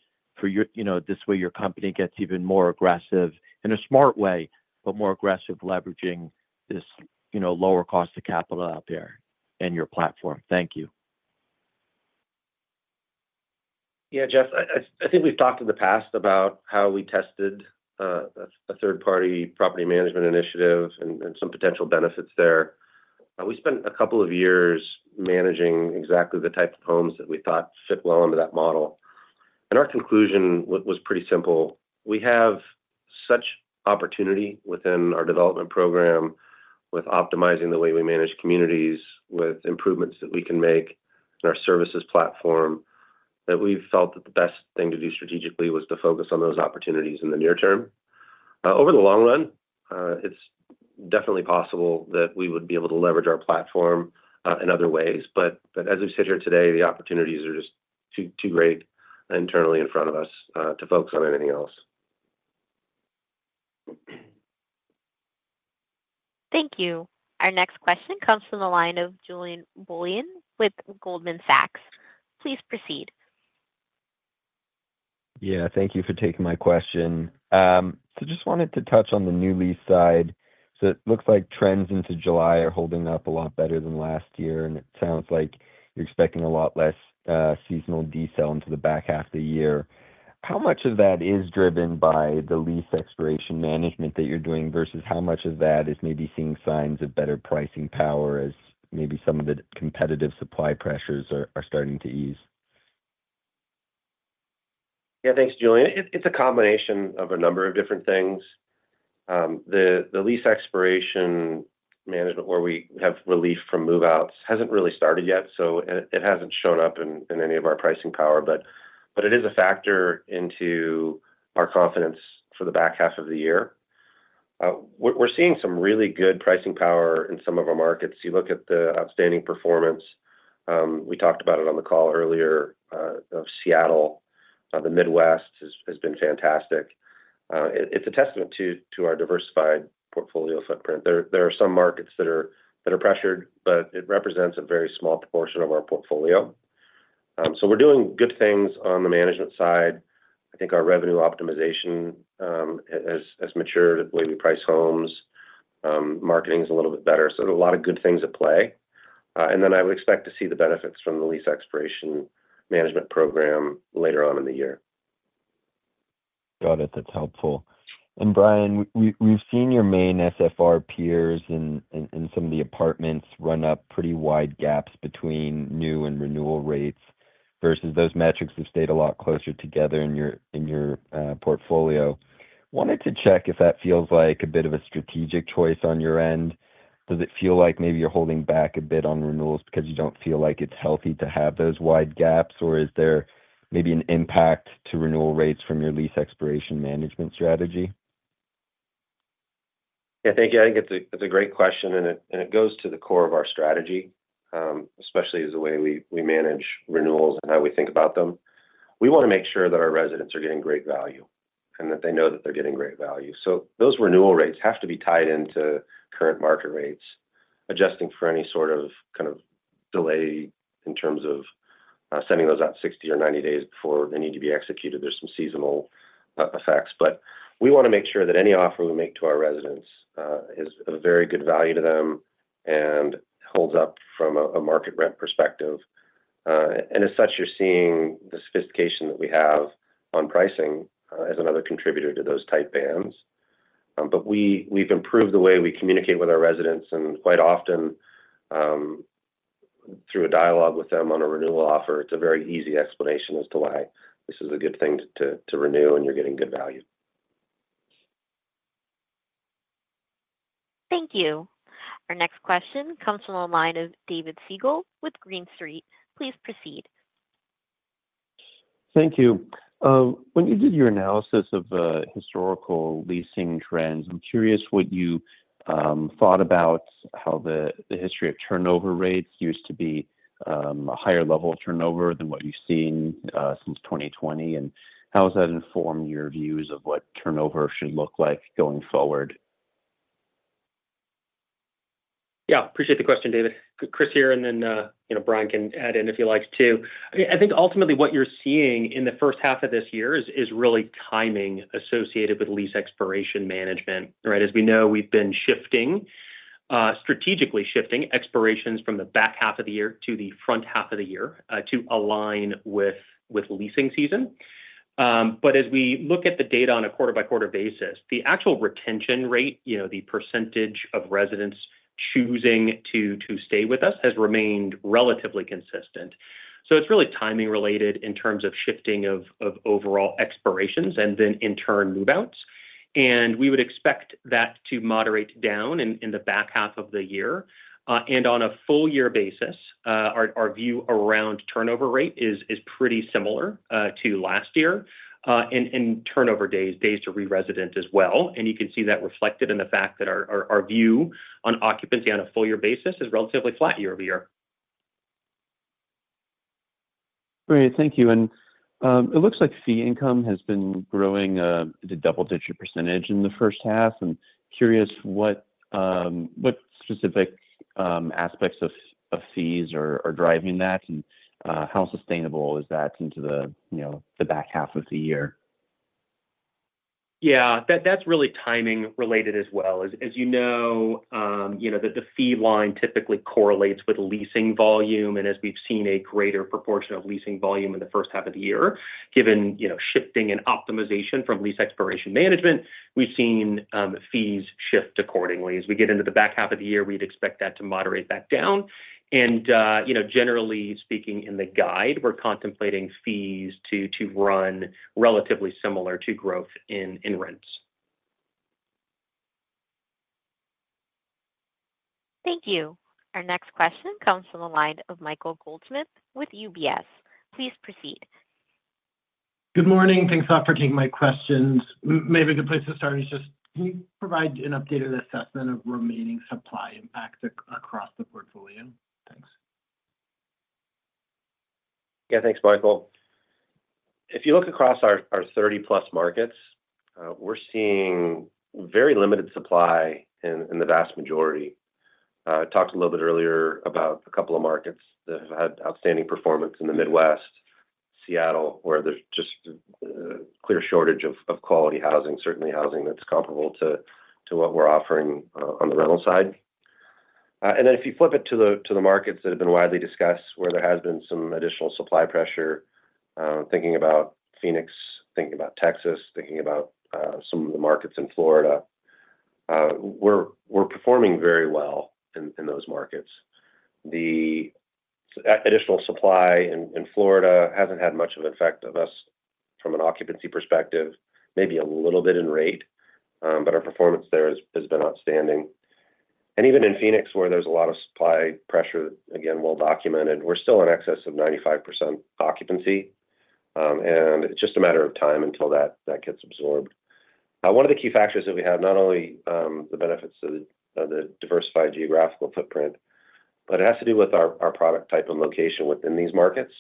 S11: way your company gets even more aggressive in a smart way, but more aggressively leveraging this lower cost of capital out there and your platform. Thank you.
S3: Yeah. Jeff, I think we've talked in the past about how we tested a third party property management initiative and some potential benefits there. We spent a couple of years managing exactly the type of homes that we thought fit well into that model. Our conclusion was pretty simple. We have such opportunity within our development program with optimizing the way we manage communities with improvements that we can make in our services platform that we felt that the best thing to do strategically was to focus on those opportunities in the near term. Over the long run, it's definitely possible that we would be able to leverage our platform in other ways. As we sit here today, the opportunities are just too great internally in front of us to focus on anything else.
S1: Thank you. Our next question comes from the line of Julien Blouin with Goldman Sachs. Please proceed.
S12: Yeah, thank you for taking my question. Just wanted to touch on the new lease side. It looks like trends into July are holding up a lot better than last year, and it sounds like you're expecting a lot less seasonal decel into the back half of the year. How much of that is driven by the lease expiration management that you're doing versus how much of that is maybe seeing signs of better pricing power as maybe some of the competitive supply pressures are starting to ease.
S3: Yeah, thanks, Julien. It's a combination of a number of different things. The lease expiration management, where we have relief from move outs, hasn't really started yet, so it hasn't shown up in any of our pricing power, but it is a factor into our confidence for the back half of the year. We're seeing some really good pricing power in some of our markets. You look at the outstanding performance, we talked about it on the call earlier, of Seattle. The Midwest has been fantastic. It's a testament to our diversified portfolio footprint. There are some markets that are pressured, but it represents a very small proportion of our portfolio. We're doing good things on the management side. I think our revenue optimization has matured the way we price homes. Marketing is a little bit better, so a lot of good things at play. I would expect to see the benefits from the lease expiration management program later on in the year.
S12: Got it. That's helpful. And Bryan, we've seen your main SFR peers and some of the apartments run up pretty wide gaps between new and renewal rates, whereas those metrics have stayed a lot closer together in your portfolio. Wanted to check if that feels like a bit of a strategic choice on your end. Does it feel like maybe you're holding back a bit on renewals because you don't feel like it's healthy to have those wide gaps, or is there maybe an impact to renewal rates from your lease expiration management strategy?
S3: Yeah. Thank you. I think it's a great question, and it goes to the core of our strategy, especially as the way we manage renewals and how we think about them. We want to make sure that our residents are getting great value and that they know that they're getting great value. Those renewal rates have to be tied into current market rates, adjusting for any sort of delay in terms of sending those out 60 or 90 days before they need to be executed. There are some seasonal effects, but we want to make sure that any offer we make to our residents is a very good value to them and holds up from a market rent perspective. As such, you're seeing the sophistication that we have on pricing as another contributor to those tight bands. We've improved the way we communicate with our residents and quite often through a dialogue with them on a renewal offer. It's a very easy explanation as to why this is a good thing to renew and you're getting good value.
S1: Thank you. Our next question comes from the line of David Singelyn with Green Street. Please proceed.
S13: Thank you. When you did your analysis of historical leasing trends, I'm curious what you thought about how the history of turnover rates used to be a higher level of turnover than what you've seen since 2020. How has that informed your views of what turnover should look like going forward?
S4: Yeah, appreciate the question, David. Chris here, and then you know, Bryan can add in if you like to. I think ultimately what you're seeing in the first half of this year is really timing associated with lease expiration management. As we know, we've been strategically shifting expirations from the back half of the year to the front half of the year to align with leasing season. As we look at the data on a quarter by quarter basis, the actual retention rate, you know, the percentage of residents choosing to stay with us, has remained relatively consistent. It's really timing related in terms of shifting of overall expirations and in turn move outs. We would expect that to moderate down in the back half of the year, and on a full year basis our view around turnover rate is pretty similar to last year, and turnover days, days to re-resident as well. You can see that reflected in the fact that our view on occupancy on a full year basis is relatively flat year over year.
S13: Great, thank you. It looks like fee income has been growing at a double-digit percentage in the first half. What specific aspects of fees are driving that, and how sustainable is that into the back half of the year?
S4: Yeah, that's really timing related as well. You know that the fee line typically correlates with leasing volume. As we've seen a greater proportion of leasing volume in the first half of the year given shifting and optimization from lease expiration management, we've seen fees shift accordingly. As we get into the back half of the year, we'd expect that to moderate back down. Generally speaking, in the guide we're contemplating fees to run relatively similar to growth in rents.
S1: Thank you. Our next question comes from the line of Michael Goldsmith with UBS Securities LLC. Please proceed.
S14: Good morning. Thanks a lot for taking my questions. Maybe a good place to start is. Can you provide an updated assessment of remaining supply impact across the portfolio? Thanks.
S3: Yeah, thanks Michael. If you look across our 30+ markets, we're seeing very limited supply in the vast majority. I talked a little bit earlier about a couple of markets that have had outstanding performance in the Midwest, Seattle, where there's just clear shortage of quality housing, certainly housing that's comparable to what we're offering on the rental side. If you flip it to the markets that have been widely discussed where there has been some additional supply pressure, thinking about Phoenix, thinking about Texas, thinking about some of the markets in Florida, we're performing very well in those markets. The additional supply in Florida hasn't had much of an effect on us from an occupancy perspective. Maybe a little bit in rate, but our performance there has been outstanding. Even in Phoenix, where there's a lot of supply pressure, again well documented, we're still in excess of 95% occupancy and it's just a matter of time until that gets absorbed. One of the key factors that we have, not only the benefits of the diversified geographical footprint, but it has to do with our product type and location within these markets.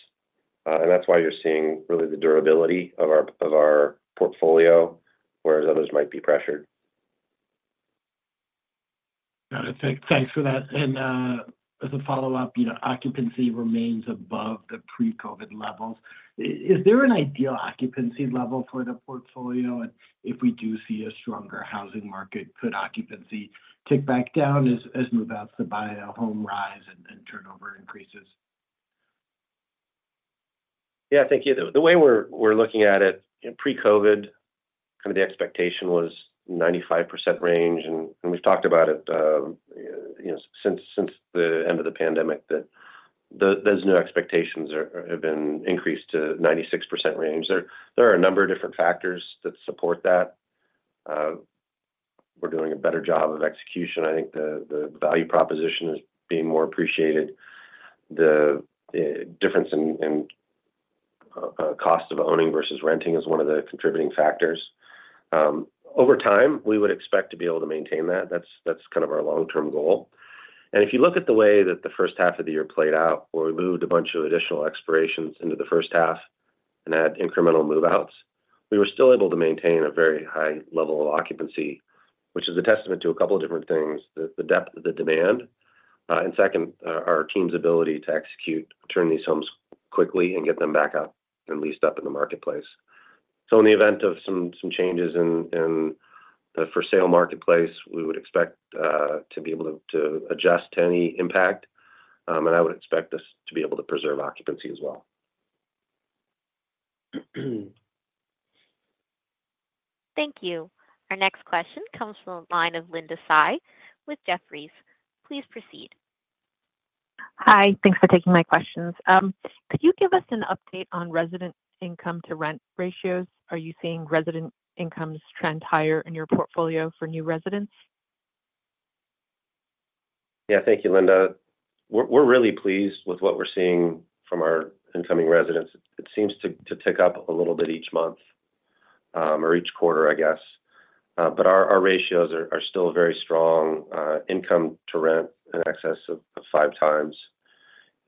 S3: That's why you're seeing really the durability of our portfolio, whereas others might be pressured.
S14: Got it. Thanks for that. As a follow up, you know, occupancy remains above the pre-Covid levels. Is there an ideal occupancy level for the portfolio? If we do see a stronger housing market, could occupancy tick back down as move out to buy a home rise and turnover increases?
S3: Yeah, I think the way we're looking at it pre-COVID, kind of the expectation was 95% range, and we've talked about it since the end of the pandemic that those new expectations have been increased to 96% range. There are a number of different factors that support that we're doing a better job of execution. I think the value proposition is being more appreciated. The difference in cost of owning versus renting is one of the contributing factors. Over time, we would expect to be able to maintain that. That's kind of our long-term goal. If you look at the way that the first half of the year played out, where we moved a bunch of additional expirations into the first half and had incremental move outs, we were still able to maintain a very high level of occupancy, which is a testament to a couple of different things. The depth of the demand and, second, our team's ability to execute, turn these homes quickly, and get them back up and leased up in the marketplace. In the event of some changes in the for-sale marketplace, we would expect to be able to adjust to any impact, and I would expect us to be able to preserve occupancy as well.
S1: Thank you. Our next question comes from the line of Linda Tsai with Jefferies. Please proceed.
S15: Hi, thanks for taking my questions. Could you give us an update on resident income to rent ratios? Are you seeing resident incomes trend higher in your portfolio for new residents?
S3: Yeah, thank you, Linda. We're really pleased with what we're seeing. From our incoming residents, it seems to tick up a little bit each month or each quarter, I guess, but our ratios are still very strong. Income to rent in excess of five times.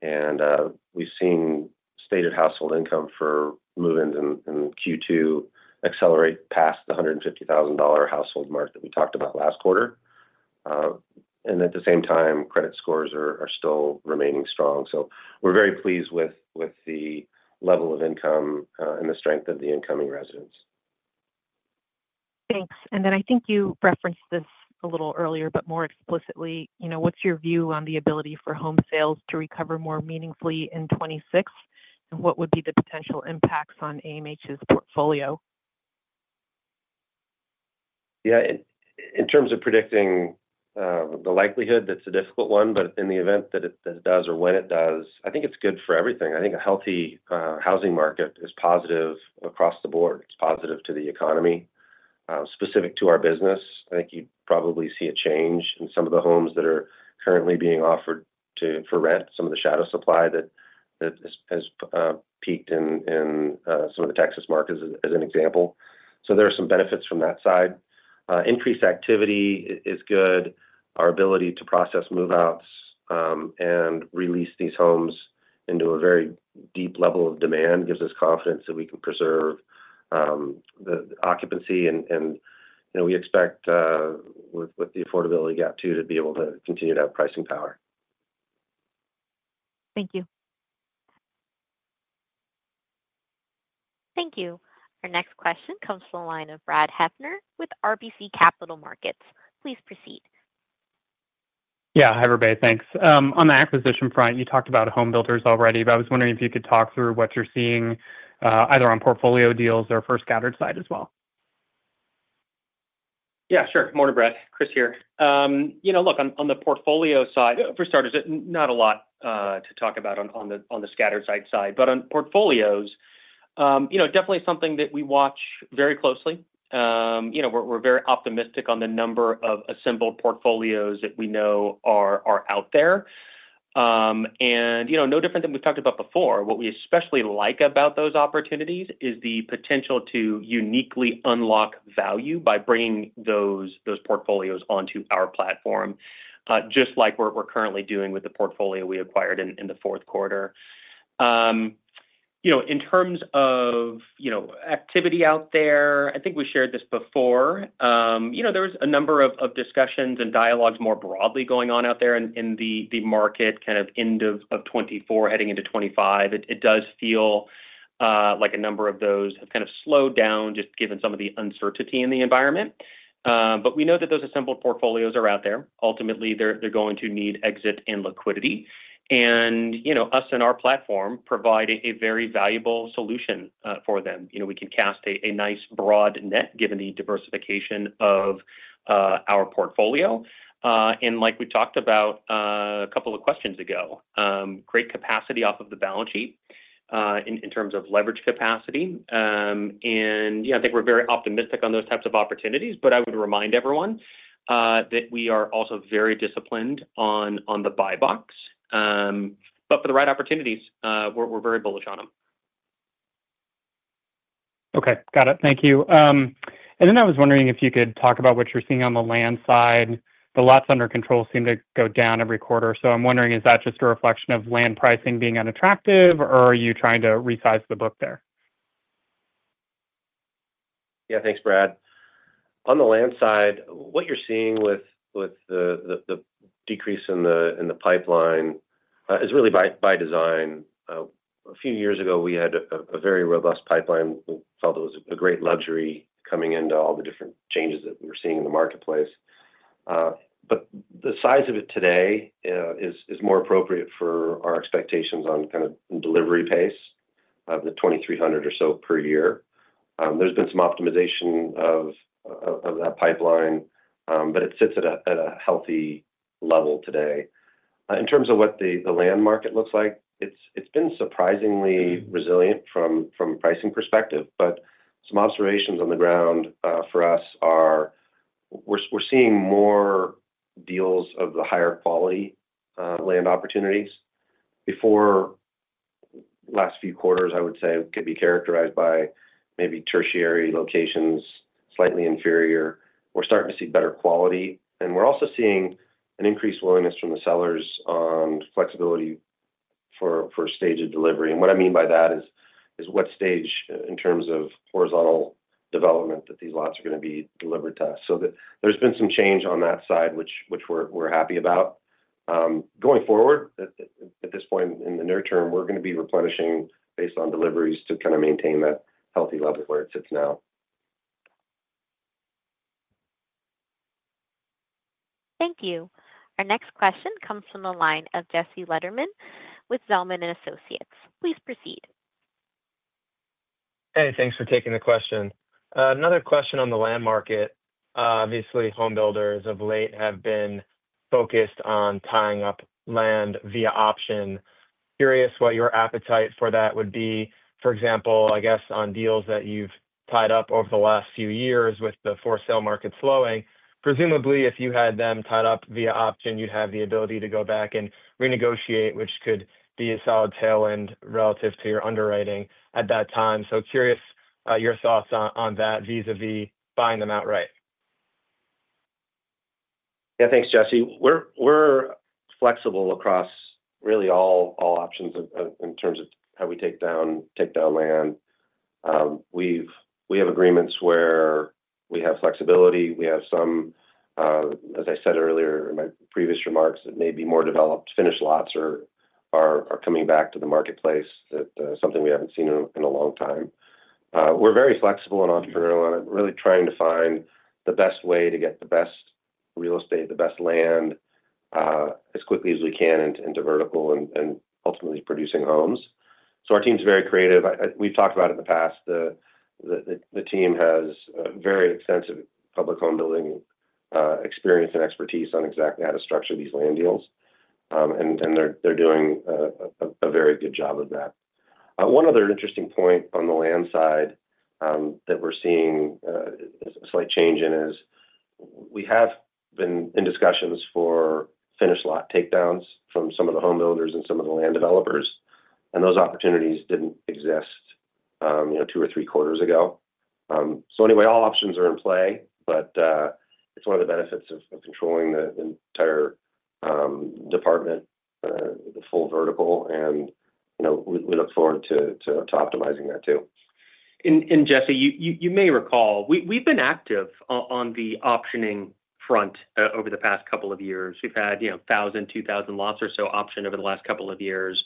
S3: We've seen stated household income for move ins in Q2 accelerate past the $150,000 household mark that we talked about last quarter. At the same time, credit scores are still remaining strong. We're very pleased with the level of income and the strength of the incoming residents.
S15: Thanks. I think you referenced this a little earlier, but more explicitly, what's your view on the ability for home sales to recover more meaningfully in 2026 and what would be the potential impacts on AMH's portfolio?
S3: Yeah, in terms of predicting the likelihood, that's a difficult one. In the event that it does or when it does, I think it's good for everything. I think a healthy housing market is positive across the board. It's positive to the economy, specific to our business. I think you probably see a change in some of the homes that are currently being offered for rent. Some of the shadow supply that has peaked in some of the Texas markets as an example. There are some benefits from that side. Increased activity is good. Our ability to process move outs and release these homes into a very deep level of demand gives us confidence that we can preserve the occupancy, and we expect with the affordability gap too, to be able to continue to have pricing power.
S1: Thank you. Thank you. Our next question comes from the line of Brad Heffern with RBC Capital Markets. Please proceed.
S16: Yeah, hi, everybody. Thanks. On the acquisition front, you talked about home builders already, but I was wondering if you could talk through what you're seeing either on portfolio deals or for scattered site as well.
S4: Yeah, sure. Morning, Brad. Chris here. Look, on the portfolio side, for starters, not a lot to talk about on the scattered site side, but on portfolios, definitely something that we watch very closely. We're very optimistic on the number of assembled portfolios that we know are out there. No different than we've talked about before. What we especially like about those opportunities is the potential to uniquely unlock value by bringing those portfolios onto our platform, just like we're currently doing with the portfolio we acquired in the fourth quarter. In terms of activity out there, I think we shared this before. There was a number of discussions and dialogues more broadly going on out there in the market, kind of end of 2024, heading to 2025. It does feel like a number of those have kind of slowed down just given some of the uncertainty in the environment. We know that those assembled portfolios are out there. Ultimately, they're going to need exit and liquidity, and us and our platform provide a very valuable solution for them. We can cast a nice broad net given the diversification of our portfolio. Like we talked about a couple of questions ago, great capacity off of the balance sheet in terms of leverage capacity. I think we're very optimistic on those types of opportunities. I would remind everyone that we are also very disciplined on the buy box. For the right opportunities, we're very bullish on them.
S16: Okay, got it. Thank you. I was wondering if you could talk about what you're seeing on the land side. The lots under control seem to go down every quarter. I'm wondering, is that just a reflection of land pricing being unattractive or are you trying to resize the book there?
S3: Yeah, thanks, Brad. On the land side, what you're seeing with the decrease in the pipeline is really by design. A few years ago we had a very robust pipeline. We felt it was a great luxury coming into all the different changes that we're seeing in the marketplace. The size of it today is more appropriate for our expectations on kind of delivery pace of the 2,300 or so per year. There's been some optimization of that pipeline, but it sits at a healthy level today in terms of what the land market looks like. It's been surprisingly resilient from a pricing perspective. Some observations on the ground for us are we're seeing more deals of the higher quality land opportunities. Before, last few quarters I would say could be characterized by maybe tertiary locations, slightly inferior. We're starting to see better quality and we're also seeing an increased willingness from the sellers on flexibility for stage of delivery. What I mean by that is, is what stage in terms of horizontal development that these lots are going to be delivered to us. There's been some change on that side, which we're happy about. Going forward at this point in the near term, we're going to be replenishing based on deliveries to kind of maintain that healthy level where it sits now.
S1: Thank you. Our next question comes from the line of Jesse Lederman with Zelman & Associates. Please proceed.
S17: Hey, thanks for taking the question. Another question. On the land market, obviously homebuilders of late have been focused on tying up land via option. Curious what your appetite for that would be. For example, I guess on deals that you've tied up over the last few years with the for sale market slowing. Presumably if you had them tied up via option, you'd have the ability to go back and renegotiate, which could be a solid tailwind relative to your underwriting at that time. Curious your thoughts on that vis a vis buying them outright?
S3: Yeah, thanks, Jesse. We're flexible across really all options in terms of how we take down land. We have agreements where we have flexibility. We have some, as I said earlier in my previous remarks, that may be more developed, finished lots are coming back to the marketplace. That is something we haven't seen in a long time. We're very flexible and entrepreneurial and really trying to find the best way to get the best real estate, the best land, as quickly as we can into vertical and ultimately producing homes. Our team's very creative. We've talked about in the past, the team has very extensive public home building experience and expertise on exactly how to structure these land deals and they're doing a very good job of that. One other interesting point on the land side that we're seeing a slight change in is we have been in discussions for finish lot takedowns from some of the home builders and some of the land developers and those opportunities didn't exist, you know, two or three quarters ago. Anyway, all options are in play. It is one of the benefits of controlling the entire department, the full vertical. We look forward to optimizing that too.
S4: Jesse, you may recall we've been active on the optioning front over the past couple of years. We've had thousand, two thousand lots or so optioned over the last couple of years.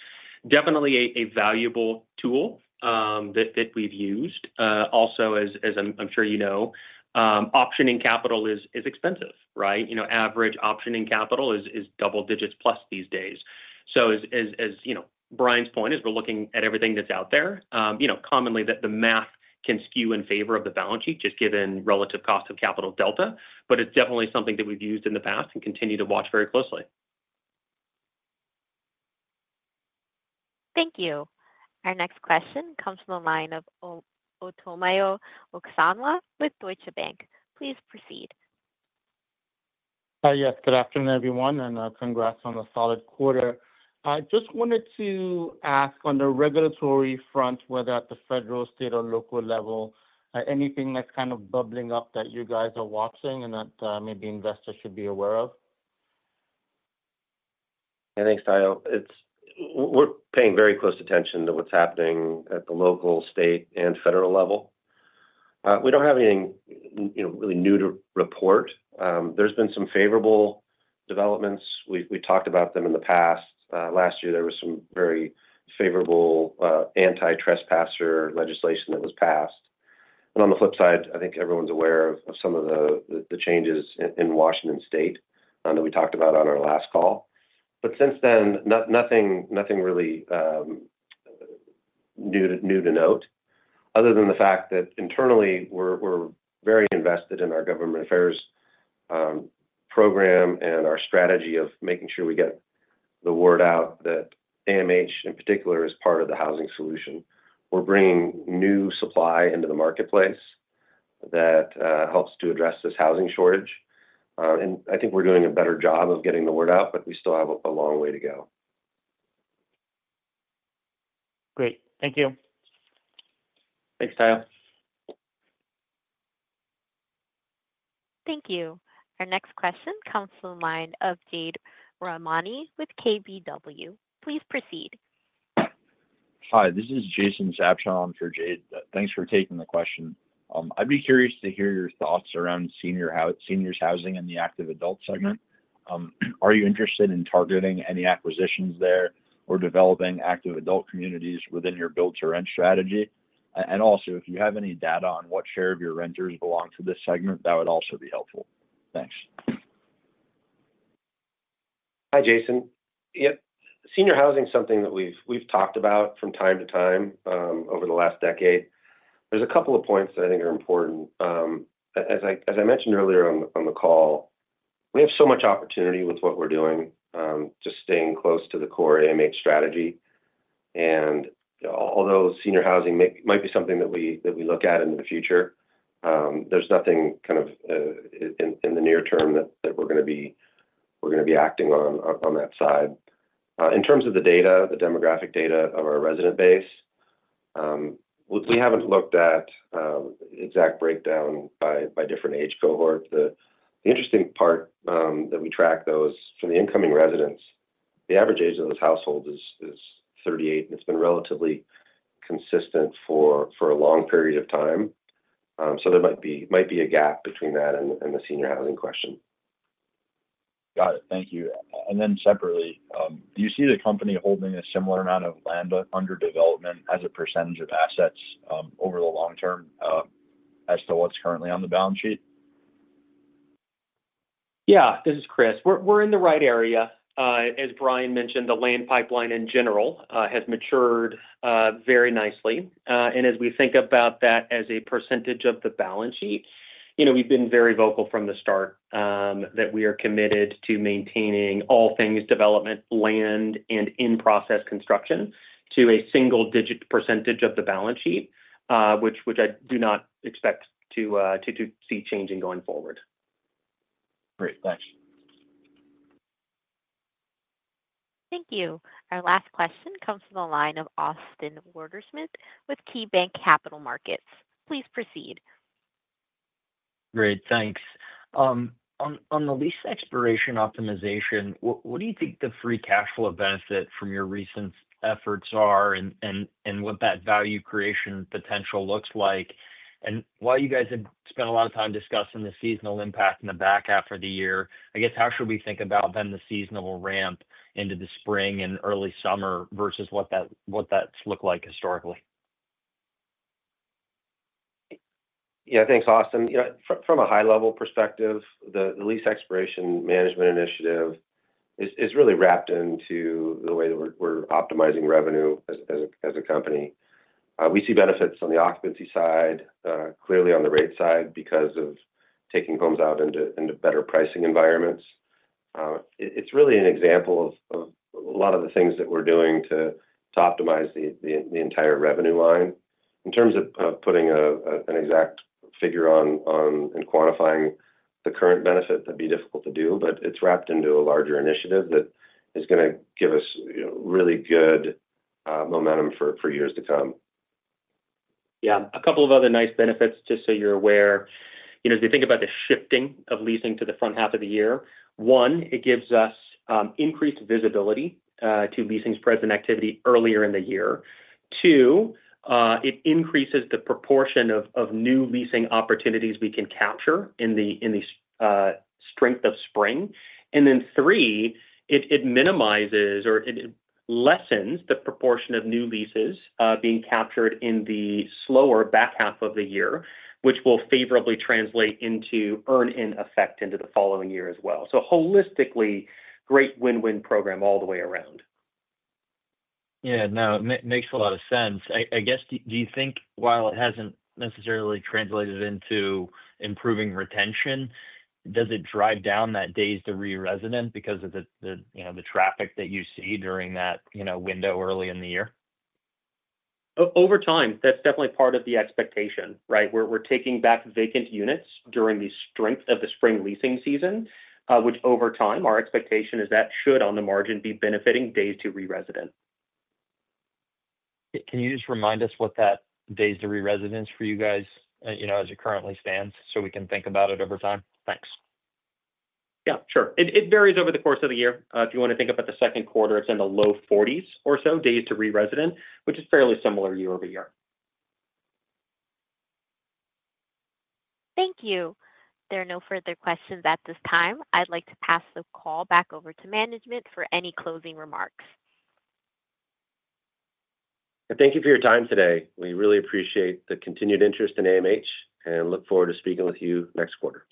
S4: Definitely a valuable tool that we've used. Also, as I'm sure you know, optioning capital is expensive, right? Average optioning capital is double digits plus these days. As you know, Bryan's point is we're looking at everything that's out there. Commonly, the math can skew in favor of the balance sheet just given relative cost of capital delta. It's definitely something that we've used in the past and continue to watch very closely.
S1: Thank you. Our next question comes from the line of Omotayo Okusanya with Deutsche Bank. Please proceed.
S18: Yes, good afternoon everyone and congrats on a solid quarter. I just wanted to ask on the regulatory front, whether at the federal, state, or local level, anything that's kind of bubbling up that you guys are watching and that maybe investors should be aware of?
S3: Thanks, Tyo. We're paying very close attention to what's happening at the local, state, and federal level. We don't have anything really new to report. There's been some favorable developments. We talked about them in the past. Last year, there was some very favorable anti-trespasser legislation that was passed. On the flip side, I think everyone's aware of some of the changes in Washington state that we talked about on our last call. Since then, nothing really new to note other than the fact that internally we're very invested in our government affairs program and our strategy of making sure we get the word out that AMH in particular is part of the housing solution. We're bringing new supply into the marketplace that helps to address this housing shortage. I think we're doing a better job of getting the word out, but we still have a long way to go.
S18: Great. Thank you.
S3: Thanks, Tyo.
S1: Thank you. Our next question comes to the line of Jade Rahmani with KBW. Please proceed.
S19: Hi, this is Jason Zabchaan for Jade. Thanks for taking the question. I'd be curious to hear your thoughts around seniors housing in the active adult segment. Are you interested in targeting any acquisitions there? Developing active adult communities within your build to rent strategy? You have any data on what share of your renters belong to this segment, that would also be helpful. Thanks.
S3: Hi Jason. Senior housing, something that we've talked about from time to time over the last decade, there's a couple of points that I think are important. As I mentioned earlier on the call, we have so much opportunity with what we're doing, just staying close to the core AMH strategy. Although senior housing might be something that we look at into the future, there's nothing in the near term that we're going to be acting on that side. In terms of the data, the demographic data of our resident base, we haven't looked at exact breakdown by different age cohort. The interesting part that we track is for the incoming residents. The average age of those households is 38 and it's been relatively consistent for a long period of time. There might be a gap between that and the senior housing question.
S19: Got it, thank you. Do you see the company holding a similar amount of land under development as a % of assets? Over the long term as to what's currently on the balance sheet?
S4: Yeah, this is Chris. We're in the right area. As Bryan mentioned, the land pipeline in general has matured very nicely. As we think about that as a percentage of the balance sheet, we've been very vocal from the start that we are committed to maintaining all things development, land and in-process construction to a single-digit percentage of the balance sheet, which I do not expect to see changing going forward.
S19: Great, thanks.
S1: Thank you. Our last question comes from the line of Austin Wurschmidt with KeyBanc Capital Markets. Please proceed.
S20: Great, thanks. On the lease expiration optimization, what do you think the free cash flow benefit from your recent efforts are, and what that value creation potential looks like? While you guys have spent a lot of time discussing the seasonal impact in the back half of the year, I guess how should we think about the seasonal ramp into the spring and early summer versus what that's looked like historically?
S3: Yeah, thanks Austin. From a high-level perspective, the lease expiration management initiative is really wrapped into the way that we're optimizing revenue as a company. We see benefits on the occupancy side, clearly on the rate side because of taking homes out into better pricing environments. It's really an example of a lot of the things that we're doing to optimize the entire revenue line. In terms of putting an exact figure on and quantifying the current benefit, that'd be difficult to do, but it's wrapped into a larger initiative that is going to give us really good momentum for years to come.
S4: Yeah, a couple of other nice benefits. Just so you're aware, if you think about the shifting of leasing to the front half of the year, one, it gives us increased visibility to leasing's present activity earlier in the year. Two, it increases the proportion of new leasing opportunities we can capture in the strength of spring. Three, it minimizes or it lessens the proportion of new leases being captured in the slower back half of the year, which will favorably translate into earn, in effect, into the following year as well. Holistically, great win-win program all the way around.
S20: Yeah, no, it makes a lot of sense, I guess. Do you think while it hasn't necessarily translated into improving retention, does it drive down that days to re-resident because of the traffic that you see during that window early in the year?
S4: Over time, that's definitely part of the expectation. Right. We're taking back vacant units during the strength of the spring leasing season, which over time our expectation is that should on the margin be benefiting days to re-resident.
S20: Can you just remind us what that days to re-resident for you guys is as it currently stands so we can think about it over time? Thanks.
S4: Yeah, sure. It varies over the course of the year. If you want to think about the second quarter, it's in the low 40s or so days to re-resident, which is fairly similar year over year.
S1: Thank you, there are no further questions at this time. I'd like to pass the call back over to management for any closing remarks.
S3: Thank you for your time today. We really appreciate the continued interest in AMH and look forward to speaking with you next quarter.